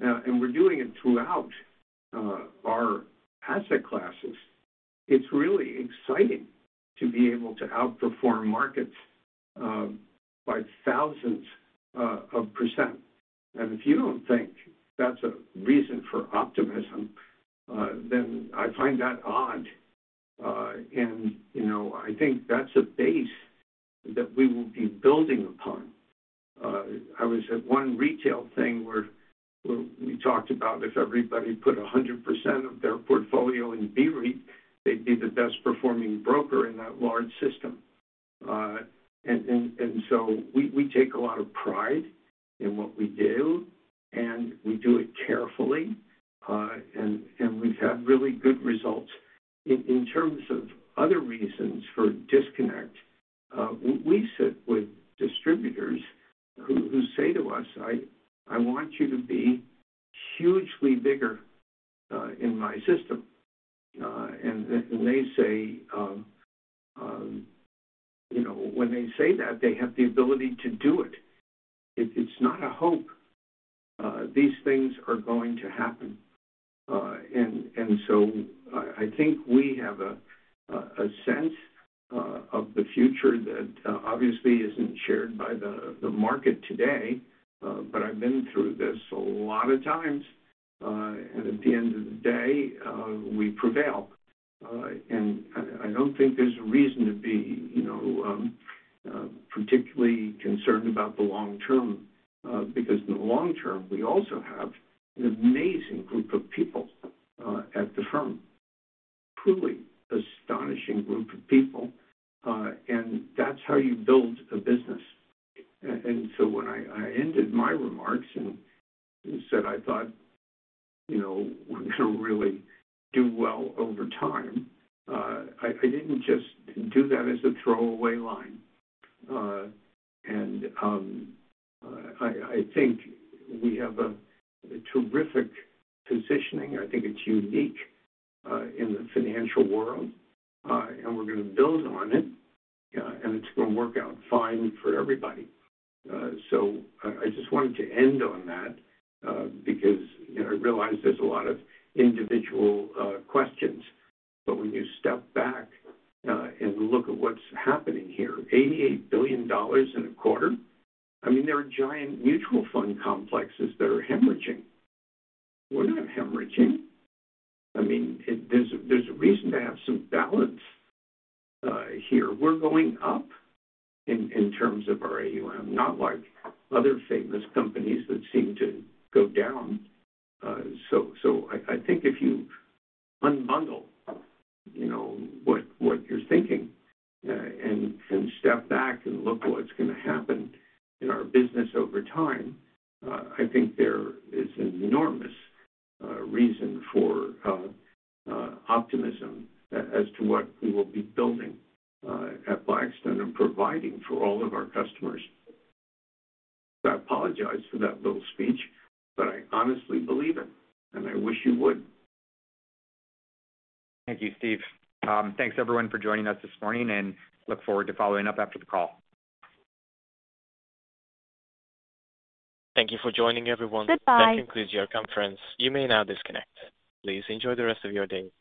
We're doing it throughout our asset classes. It's really exciting to be able to outperform markets by thousands of percent. If you don't think that's a reason for optimism, then I find that odd. You know, I think that's a base that we will be building upon. I was at one retail thing where we talked about if everybody put 100% of their portfolio in BREIT, they'd be the best-performing broker in that large system. We take a lot of pride in what we do, and we do it carefully, and we've had really good results. In terms of other reasons for disconnect, we sit with distributors who say to us, "I want you to be hugely bigger in my system." When they say you know, when they say that they have the ability to do it. It's not a hope. These things are going to happen. I think we have a sense of the future that obviously isn't shared by the market today, but I've been through this a lot of times, and at the end of the day, we prevail. I don't think there's a reason to be, you know, particularly concerned about the long term, because in the long term, we also have an amazing group of people at the firm. Truly astonishing group of people, and that's how you build a business. When I ended my remarks and said I thought, you know, we're gonna really do well over time, I didn't just do that as a throwaway line. I think we have a terrific positioning. I think it's unique in the financial world, and we're gonna build on it, and it's gonna work out fine for everybody. So I just wanted to end on that, because, you know, I realize there's a lot of individual questions, but when you step back and look at what's happening here, $88 billion in a quarter. I mean, there are giant mutual fund complexes that are hemorrhaging. We're not hemorrhaging. I mean, there's a reason to have some balance here. We're going up in terms of our AUM, not like other famous companies that seem to go down. I think if you unbundle, you know, what you're thinking, and step back and look at what's gonna happen in our business over time, I think there is an enormous reason for optimism as to what we will be building at Blackstone and providing for all of our customers. I apologize for that little speech, but I honestly believe it, and I wish you would. Thank you, Steve. Thanks everyone for joining us this morning and look forward to following up after the call. Thank you for joining, everyone. That concludes your conference. You may now disconnect. Please enjoy the rest of your day.